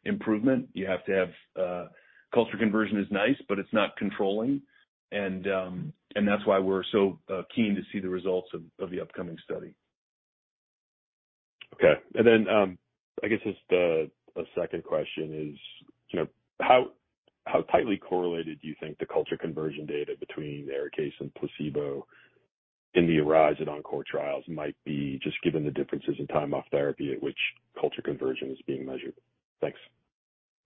improvement. You have to have, culture conversion is nice, but it's not controlling. That's why we're so keen to see the results of, of the upcoming study. Okay. I guess just, a second question is, you know, how, how tightly correlated do you think the culture conversion data between ARIKAYCE and placebo in the ARISE and ENCORE trials might be, just given the differences in time off therapy at which culture conversion is being measured? Thanks.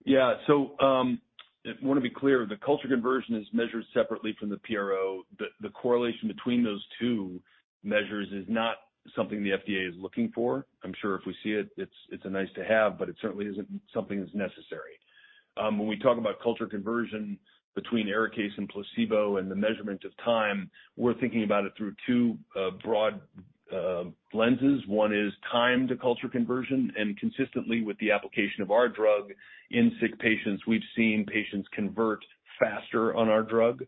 Yeah. I want to be clear, the culture conversion is measured separately from the PRO. The correlation between those two measures is not something the FDA is looking for. I'm sure if we see it, it's a nice-to-have, but it certainly isn't something that's necessary. When we talk about culture conversion between ARIKAYCE and placebo and the measurement of time, we're thinking about it through two broad lenses. One is time to culture conversion, and consistently with the application of our drug in sick patients, we've seen patients convert faster on our drug,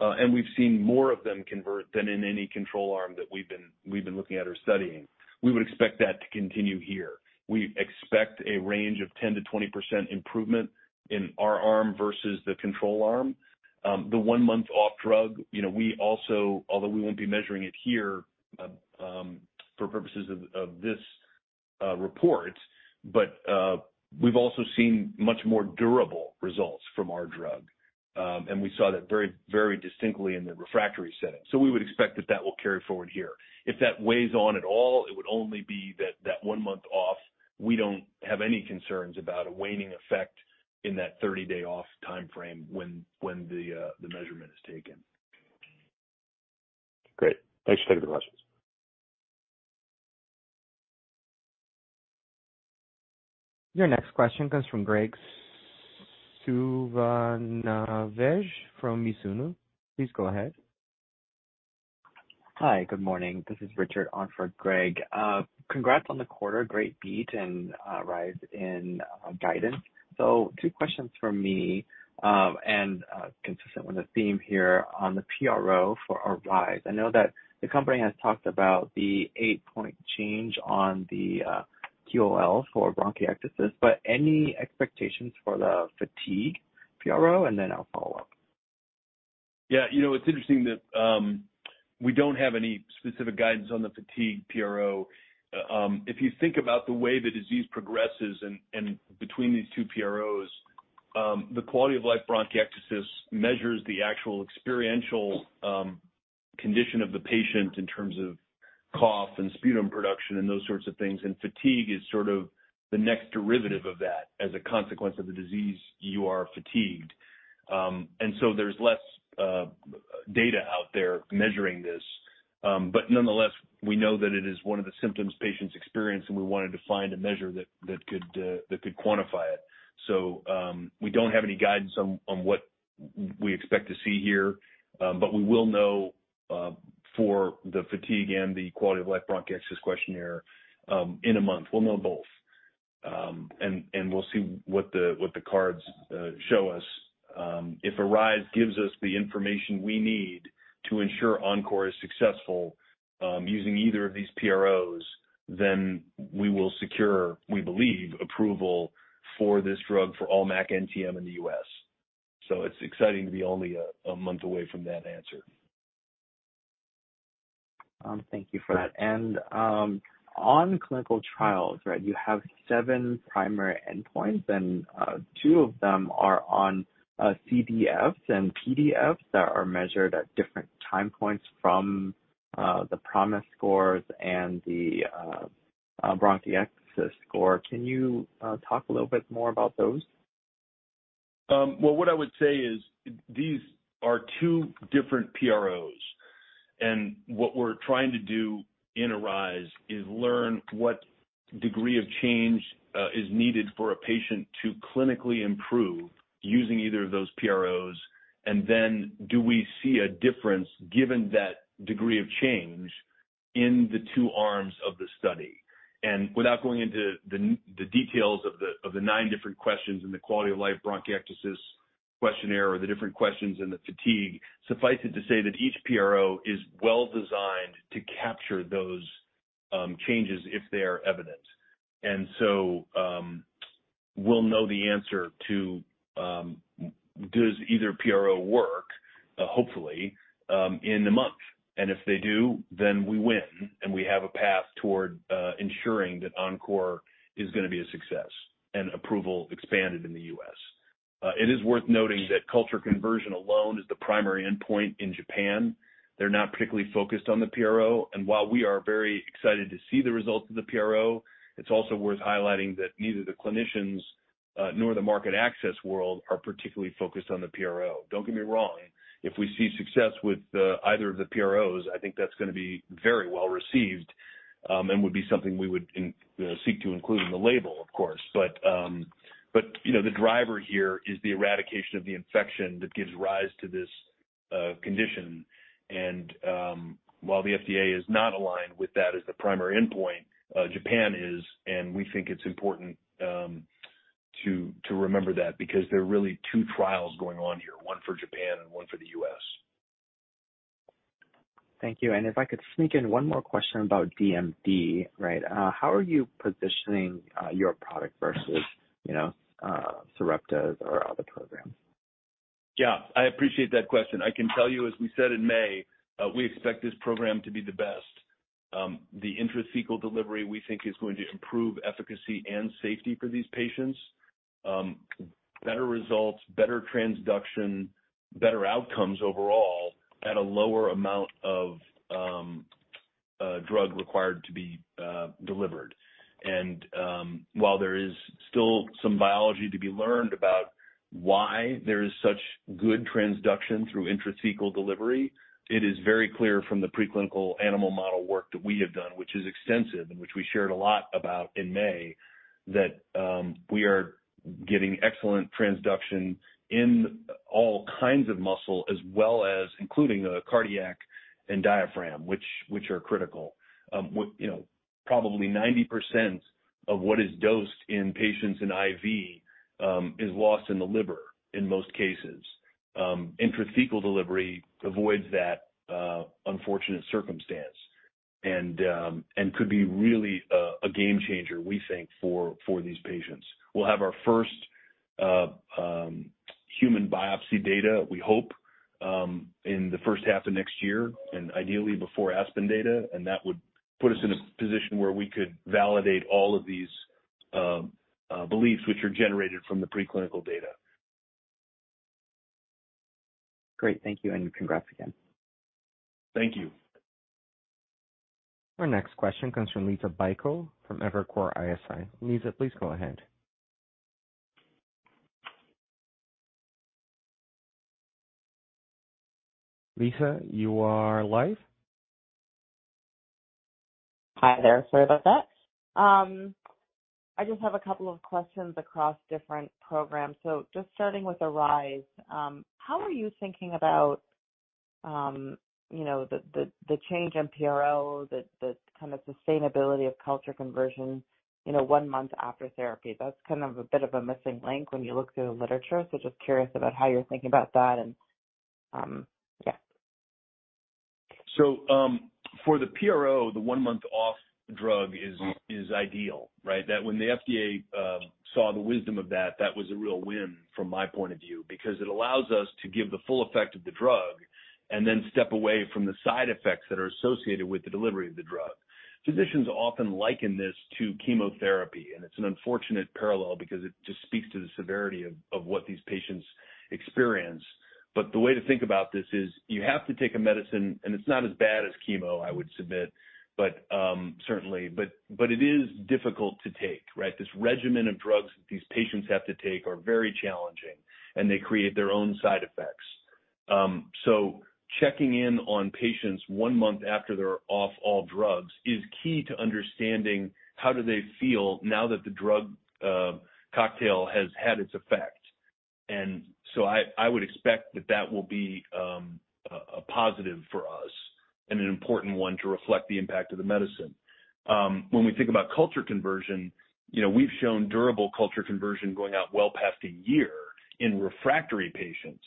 and we've seen more of them convert than in any control arm that we've been looking at or studying. We would expect that to continue here. We expect a range of 10%-20% improvement in our arm versus the control arm. The one month off drug, you know, we also, although we won't be measuring it here, for purposes of this report, we've also seen much more durable results from our drug. We saw that very, very distinctly in the refractory setting. We would expect that that will carry forward here. If that weighs on at all, it would only be that, that one month off, we don't have any concerns about a waning effect in that 30-day off timeframe when the measurement is taken. Great. Thanks for taking the questions. Your next question comes from Graig Suvannavejj from Mizuho. Please go ahead. Hi, good morning. This is Richard on for Graig. Congrats on the quarter, great beat and rise in guidance. 2 questions from me, consistent with the theme here on the PRO for ARISE. I know that the company has talked about the 8-point change on the QOL for bronchiectasis, but any expectations for the fatigue PRO? Then I'll follow up. Yeah, you know, it's interesting that we don't have any specific guidance on the fatigue PRO. If you think about the way the disease progresses and, and between these two PROs, the quality of life bronchiectasis measures the actual experiential condition of the patient in terms of cough and sputum production and those sorts of things. Fatigue is sort of the next derivative of that. As a consequence of the disease, you are fatigued. There's less data out there measuring this. Nonetheless, we know that it is one of the symptoms patients experience, and we wanted to find a measure that, that could quantify it. We don't have any guidance on, on what we expect to see here, but we will know for the fatigue and the quality of life bronchiectasis questionnaire in a month. We'll know both. And we'll see what the, what the cards show us. If ARISE gives us the information we need to ensure ENCORE is successful, using either of these PROs, then we will secure, we believe, approval for this drug for all MAC NTM in the US. It's exciting to be only a month away from that answer. Thank you for that. On clinical trials, right, you have 7 primary endpoints, and 2 of them are on CDFs and PDFs that are measured at different time points from the PROMIS scores and the bronchiectasis score. Can you talk a little bit more about those? Well, what I would say is these are 2 different PROs. What we're trying to do in ARISE is learn what degree of change is needed for a patient to clinically improve using either of those PROs, and then do we see a difference given that degree of change in the 2 arms of the study? Without going into the details of the 9 different questions in the Quality of Life Bronchiectasis Questionnaire or the different questions in the fatigue, suffice it to say that each PRO is well designed to capture those changes if they are evident. We'll know the answer to does either PRO work, hopefully, in 1 month. If they do, then we win, and we have a path toward ensuring that ENCORE is gonna be a success and approval expanded in the US. It is worth noting that culture conversion alone is the primary endpoint in Japan. They're not particularly focused on the PRO, and while we are very excited to see the results of the PRO, it's also worth highlighting that neither the clinicians nor the market access world are particularly focused on the PRO. Don't get me wrong, if we see success with either of the PROs, I think that's gonna be very well received, and would be something we would seek to include in the label, of course. You know, the driver here is the eradication of the infection that gives rise to this condition. While the FDA is not aligned with that as the primary endpoint, Japan is, and we think it's important to remember that, because there are really two trials going on here, one for Japan and one for the US. Thank you. If I could sneak in one more question about DMD, right? How are you positioning, your product versus, you know, Sarepta or other programs? Yeah, I appreciate that question. I can tell you, as we said in May, we expect this program to be the best. The intrathecal delivery, we think, is going to improve efficacy and safety for these patients. Better results, better transduction, better outcomes overall at a lower amount of drug required to be delivered. While there is still some biology to be learned about why there is such good transduction through intrathecal delivery, it is very clear from the preclinical animal model work that we have done, which is extensive, and which we shared a lot about in May, that, we are getting excellent transduction in all kinds of muscle, as well as including the cardiac and diaphragm, which, which are critical. What, you know, probably 90% of what is dosed in patients in IV is lost in the liver in most cases. Intrathecal delivery avoids that unfortunate circumstance and could be really a game changer, we think, for these patients. We'll have our first human biopsy data, we hope, in the first half of next year, and ideally before ASPEN data, and that would put us in a position where we could validate all of these beliefs which are generated from the preclinical data. Great. Thank you. Congrats again. Thank you. Our next question comes from Liisa Bayko from Evercore ISI. Liisa, please go ahead. Liisa, you are live? Hi there. Sorry about that. I just have a couple of questions across different programs. Just starting with ARISE, how are you thinking about, you know, the, the, the change in PRO, the, the kind of sustainability of culture conversion, you know, one month after therapy? That's kind of a bit of a missing link when you look through the literature, just curious about how you're thinking about that and, yeah. For the PRO, the one month off drug is, is ideal, right? That when the FDA saw the wisdom of that, that was a real win from my point of view, because it allows us to give the full effect of the drug and then step away from the side effects that are associated with the delivery of the drug. Physicians often liken this to chemotherapy, and it's an unfortunate parallel because it just speaks to the severity of what these patients experience. The way to think about this is, you have to take a medicine, and it's not as bad as chemo, I would submit, but certainly. It is difficult to take, right? This regimen of drugs that these patients have to take are very challenging, and they create their own side effects. Checking in on patients one month after they're off all drugs is key to understanding how do they feel now that the drug cocktail has had its effect. I, I would expect that that will be a positive for us and an important one to reflect the impact of the medicine. When we think about culture conversion, you know, we've shown durable culture conversion going out well past a year in refractory patients.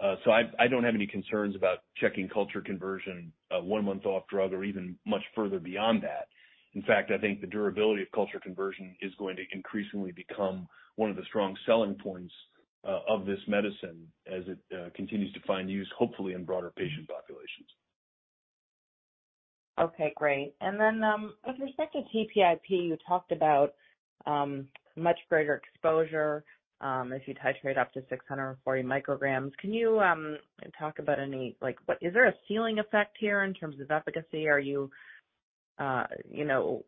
I, I don't have any concerns about checking culture conversion one month off drug or even much further beyond that. In fact, I think the durability of culture conversion is going to increasingly become one of the strong selling points of this medicine as it continues to find use, hopefully in broader patient populations. Okay, great. Then, with respect to TPIP, you talked about, much greater exposure, if you titrate up to 640 micrograms. Can you talk about any... Like, what- is there a ceiling effect here in terms of efficacy? Are you, you know,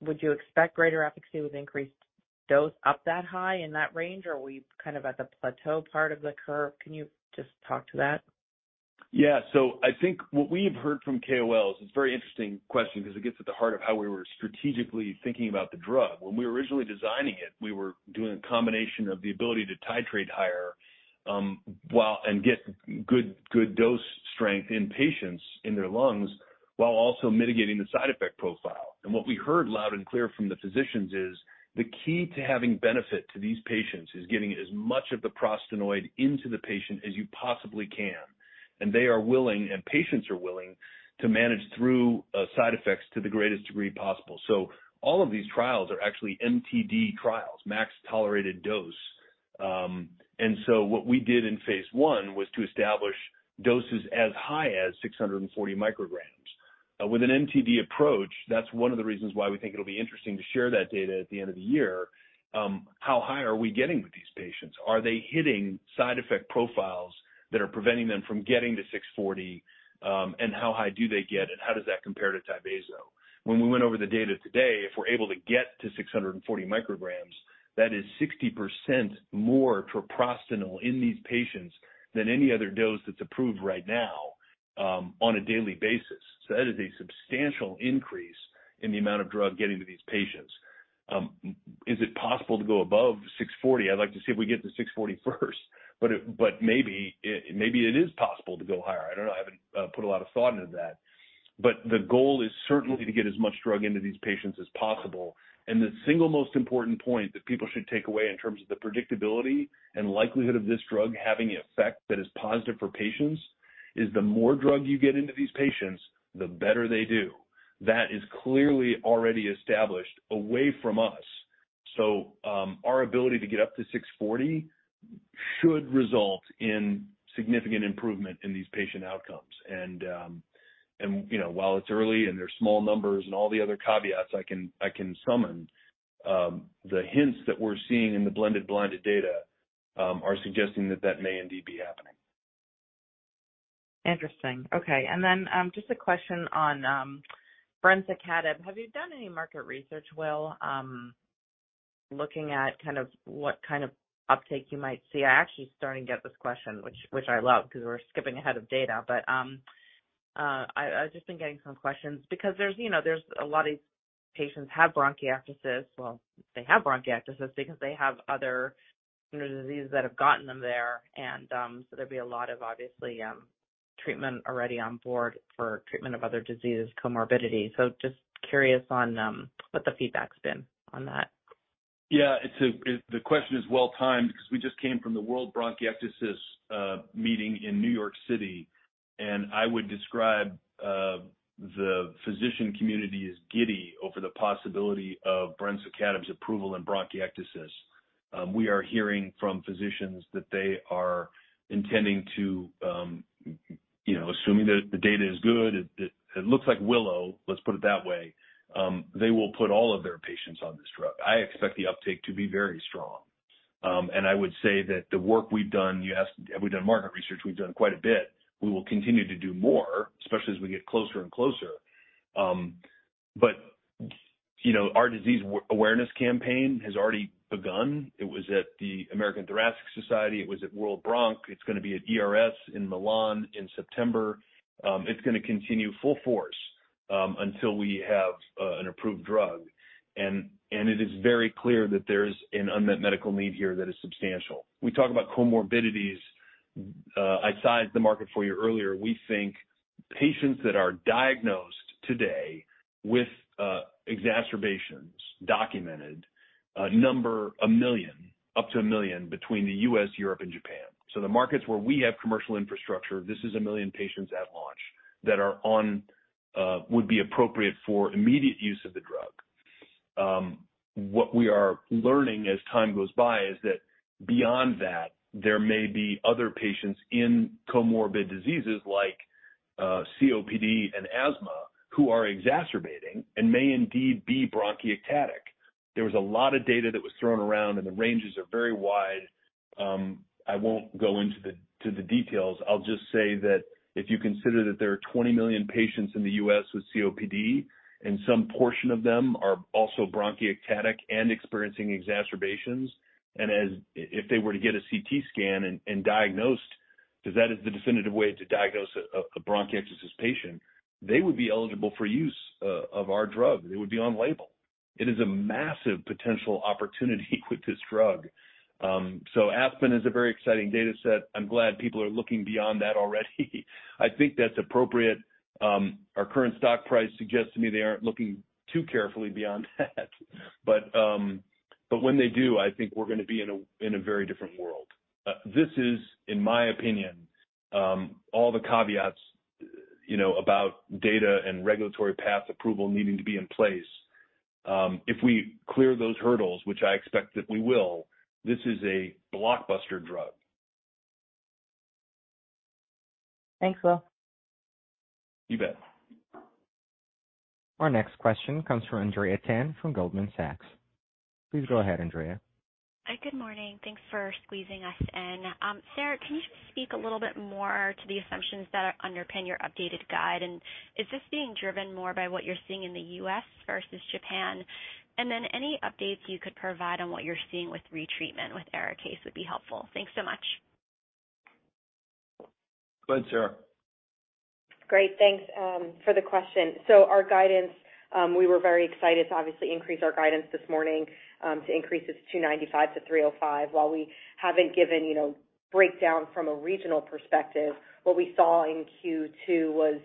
would you expect greater efficacy with increased dose up that high in that range, or are we kind of at the plateau part of the curve? Can you just talk to that? Yeah. I think what we've heard from KOLs, it's a very interesting question because it gets at the heart of how we were strategically thinking about the drug. When we were originally designing it, we were doing a combination of the ability to titrate higher, while, and get good, good dose strength in patients, in their lungs, while also mitigating the side effect profile. What we heard loud and clear from the physicians is, the key to having benefit to these patients is getting as much of the prostinoid into the patient as you possibly can, and they are willing, and patients are willing to manage through, side effects to the greatest degree possible. All of these trials are actually MTD trials, max tolerated dose. What we did in phase 1 was to establish doses as high as 640 micrograms. With an MTD approach, that's one of the reasons why we think it'll be interesting to share that data at the end of the year. How high are we getting with these patients? Are they hitting side effect profiles that are preventing them from getting to 640, and how high do they get, and how does that compare to Tyvaso? When we went over the data today, if we're able to get to 640 micrograms, that is 60% more treprostinil in these patients than any other dose that's approved right now, on a daily basis. That is a substantial increase in the amount of drug getting to these patients. Is it possible to go above 640? I'd like to see if we get to 640 first, but it, but maybe it, maybe it is possible to go higher. I don't know. I haven't put a lot of thought into that. The goal is certainly to get as much drug into these patients as possible. The single most important point that people should take away in terms of the predictability and likelihood of this drug having an effect that is positive for patients, is the more drug you get into these patients, the better they do. That is clearly already established away from us. Our ability to get up to 640 should result in significant improvement in these patient outcomes. You know, while it's early and there's small numbers and all the other caveats I can, I can summon, the hints that we're seeing in the blended blinded data, are suggesting that that may indeed be happening. ... Interesting. Okay, just a question on Brensocatib. Have you done any market research, Will, looking at kind of what kind of uptake you might see? I actually starting to get this question, which, which I love, because we're skipping ahead of data. I, I've just been getting some questions because there's, you know, there's a lot of these patients have bronchiectasis. Well, they have bronchiectasis because they have other underlying diseases that have gotten them there. there'll be a lot of obviously, treatment already on board for treatment of other diseases, comorbidity. just curious on what the feedback's been on that. Yeah, it's the question is well-timed because we just came from the World Bronchiectasis meeting in New York City, and I would describe the physician community as giddy over the possibility of Brensocatib's approval in bronchiectasis. We are hearing from physicians that they are intending to, you know, assuming that the data is good, it looks like WILLOW, let's put it that way, they will put all of their patients on this drug. I expect the uptake to be very strong. I would say that the work we've done, you asked, have we done market research? We've done quite a bit. We will continue to do more, especially as we get closer and closer. You know, our disease awareness campaign has already begun. It was at the American Thoracic Society. It was at World Bronch. It's going to be at ERS in Milan in September. It's going to continue full force until we have an approved drug. It is very clear that there's an unmet medical need here that is substantial. We talk about comorbidities. I sized the market for you earlier. We think patients that are diagnosed today with exacerbations documented, number 1 million, up to 1 million between the US, Europe, and Japan. The markets where we have commercial infrastructure, this is 1 million patients at launch that are on would be appropriate for immediate use of the drug. What we are learning as time goes by is that beyond that, there may be other patients in comorbid diseases like COPD and asthma, who are exacerbating and may indeed be bronchiectasis. There was a lot of data that was thrown around. The ranges are very wide. I won't go into the details. I'll just say that if you consider that there are 20 million patients in the U.S. with COPD, and some portion of them are also bronchiectasis and experiencing exacerbations, if they were to get a CT scan and diagnosed, because that is the definitive way to diagnose a bronchiectasis patient, they would be eligible for use of our drug. It would be on label. It is a massive potential opportunity with this drug. ASPEN is a very exciting data set. I'm glad people are looking beyond that already. I think that's appropriate. Our current stock price suggests to me they aren't looking too carefully beyond that. When they do, I think we're going to be in a, in a very different world. This is, in my opinion, all the caveats, you know, about data and regulatory path approval needing to be in place. If we clear those hurdles, which I expect that we will, this is a blockbuster drug. Thanks, Will. You bet. Our next question comes from Andrea Tan from Goldman Sachs. Please go ahead, Andrea. Hi, good morning. Thanks for squeezing us in. Sara, can you just speak a little bit more to the assumptions that underpin your updated guide? Is this being driven more by what you're seeing in the U.S. versus Japan? Any updates you could provide on what you're seeing with retreatment with ARIKAYCE would be helpful. Thanks so much. Go ahead, Sara. Great. Thanks for the question. Our guidance, we were very excited to obviously increase our guidance this morning, to increase it to $95-$305. While we haven't given, you know, breakdown from a regional perspective, what we saw in Q2 was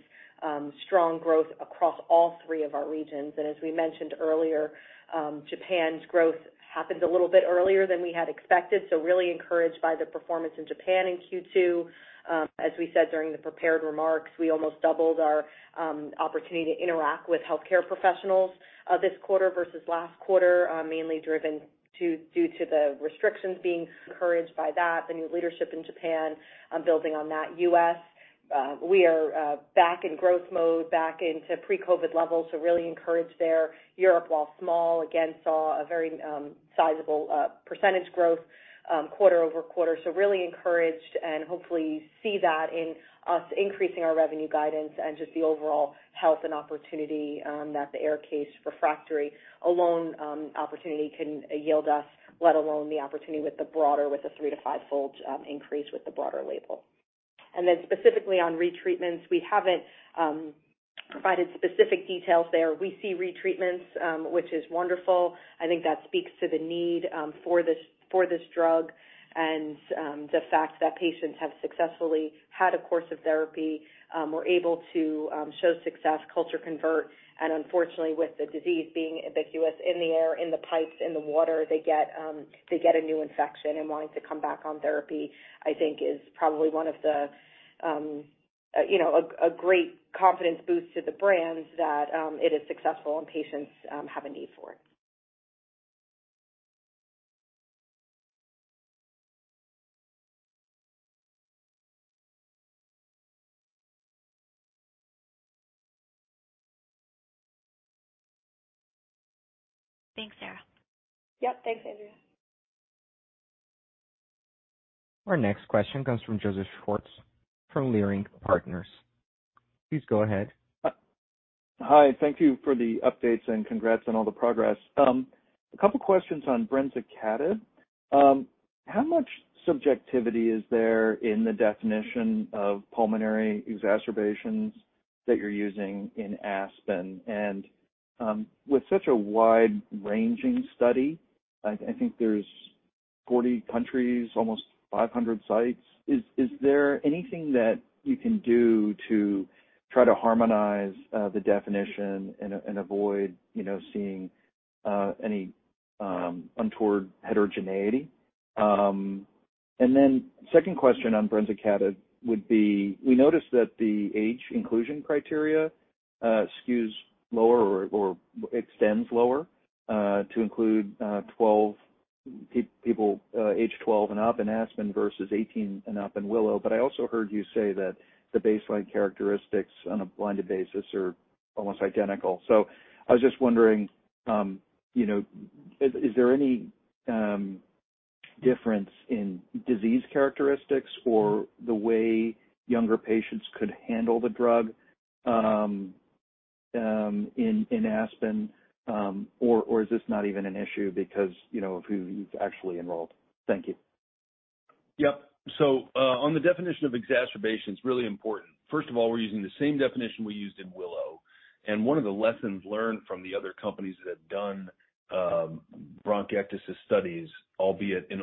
strong growth across all three of our regions. As we mentioned earlier, Japan's growth happened a little bit earlier than we had expected, so really encouraged by the performance in Japan in Q2. As we said during the prepared remarks, we almost doubled our opportunity to interact with healthcare professionals this quarter versus last quarter, mainly driven due to the restrictions being encouraged by that, the new leadership in Japan, building on that. U.S., we are back in growth mode, back into pre-COVID levels, so really encouraged there. Europe, while small, again, saw a very, sizable, percentage growth, quarter-over-quarter. Really encouraged and hopefully see that in us increasing our revenue guidance and just the overall health and opportunity, that the ARIKAYCE refractory alone, opportunity can yield us, let alone the opportunity with the broader, with the three to fivefold, increase with the broader label. Specifically on retreatments, we haven't, provided specific details there. We see retreatments, which is wonderful. I think that speaks to the need for this, for this drug and the fact that patients have successfully had a course of therapy, were able to show success, culture convert, and unfortunately, with the disease being ubiquitous in the air, in the pipes, in the water, they get, they get a new infection and wanting to come back on therapy, I think is probably one of the, you know, a great confidence boost to the brands that it is successful and patients have a need for it. Thanks, Sarah. Yep, thanks, Andrea. Our next question comes from Joseph Schwartz from Leerink Partners. Please go ahead. Hi, thank you for the updates and congrats on all the progress. A couple questions on Brensocatib. How much subjectivity is there in the definition of pulmonary exacerbations that you're using in ASPEN? With such a wide-ranging study, I, I think there's 40 countries, almost 500 sites, is, is there anything that you can do to try to harmonize the definition and avoid, you know, seeing any untoward heterogeneity? Second question on Brensocatib would be, we noticed that the age inclusion criteria skews lower or extends lower to include people age 12 and up in ASPEN versus 18 and up in WILLOW. I also heard you say that the baseline characteristics on a blinded basis are almost identical. I was just wondering, you know, is, is there any, difference in disease characteristics or the way younger patients could handle the drug, in, in ASPEN? Or, or is this not even an issue because, you know, of who you've actually enrolled? Thank you. Yep. On the definition of exacerbation, it's really important. First of all, we're using the same definition we used in WILLOW, one of the lessons learned from the other companies that have done bronchiectasis studies, albeit in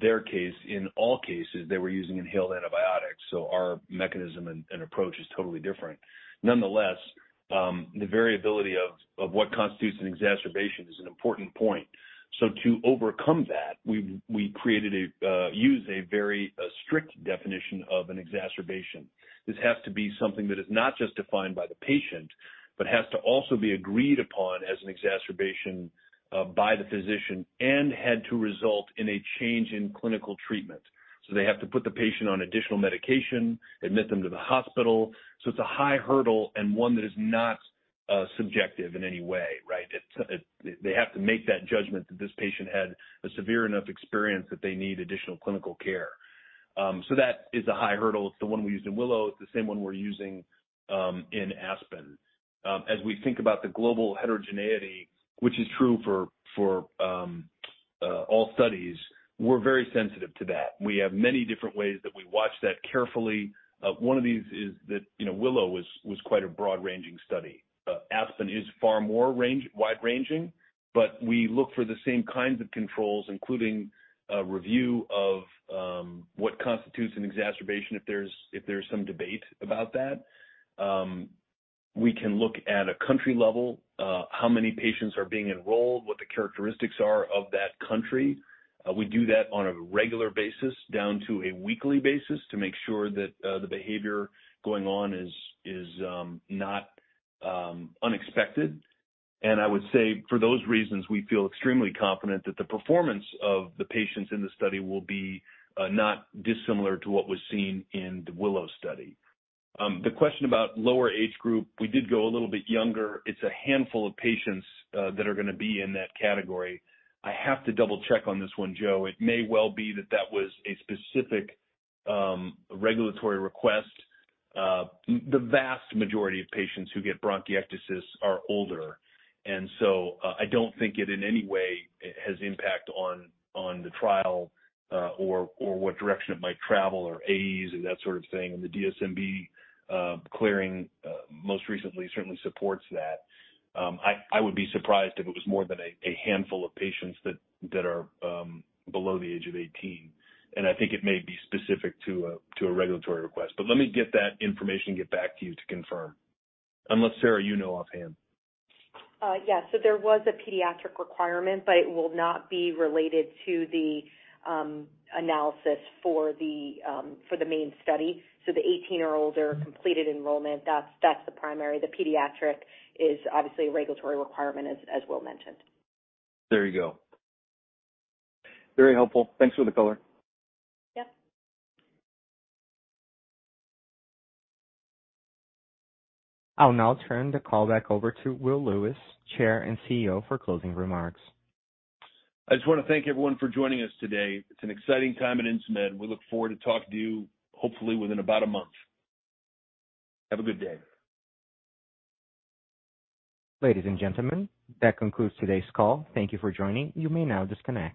their case, in all cases, they were using inhaled antibiotics, so our mechanism and approach is totally different. Nonetheless, the variability of what constitutes an exacerbation is an important point. To overcome that, we created a very strict definition of an exacerbation. This has to be something that is not just defined by the patient, but has to also be agreed upon as an exacerbation by the physician and had to result in a change in clinical treatment. They have to put the patient on additional medication, admit them to the hospital. It's a high hurdle and one that is not subjective in any way, right? They have to make that judgment that this patient had a severe enough experience that they need additional clinical care. That is a high hurdle. It's the one we used in WILLOW. It's the same one we're using in ASPEN. As we think about the global heterogeneity, which is true for, for all studies, we're very sensitive to that. We have many different ways that we watch that carefully. One of these is that, you know, WILLOW was, was quite a broad-ranging study. ASPEN is far more wide-ranging, but we look for the same kinds of controls, including a review of what constitutes an exacerbation if there's, if there's some debate about that. We can look at a country level, how many patients are being enrolled, what the characteristics are of that country. We do that on a regular basis, down to a weekly basis, to make sure that the behavior going on is, is not unexpected. I would say, for those reasons, we feel extremely confident that the performance of the patients in the study will be not dissimilar to what was seen in the WILLOW study. The question about lower age group, we did go a little bit younger. It's a handful of patients that are gonna be in that category. I have to double-check on this one, Joe. It may well be that that was a specific regulatory request. The vast majority of patients who get bronchiectasis are older, I don't think it, in any way, has impact on, on the trial, or, or what direction it might travel, or AEs and that sort of thing. The DSMB clearing most recently certainly supports that. I would be surprised if it was more than a handful of patients that are below the age of 18. I think it may be specific to a regulatory request. Let me get that information and get back to you to confirm. Unless, Sara, you know offhand. Yeah. There was a pediatric requirement, but it will not be related to the analysis for the for the main study. The 18 or older completed enrollment, that's, that's the primary. The pediatric is obviously a regulatory requirement, as, as Will mentioned. There you go. Very helpful. Thanks for the color. Yep. I'll now turn the call back over to Will Lewis, Chair and CEO, for closing remarks. I just wanna thank everyone for joining us today. It's an exciting time at Insmed. We look forward to talking to you, hopefully, within about a month. Have a good day. Ladies and gentlemen, that concludes today's call. Thank you for joining. You may now disconnect.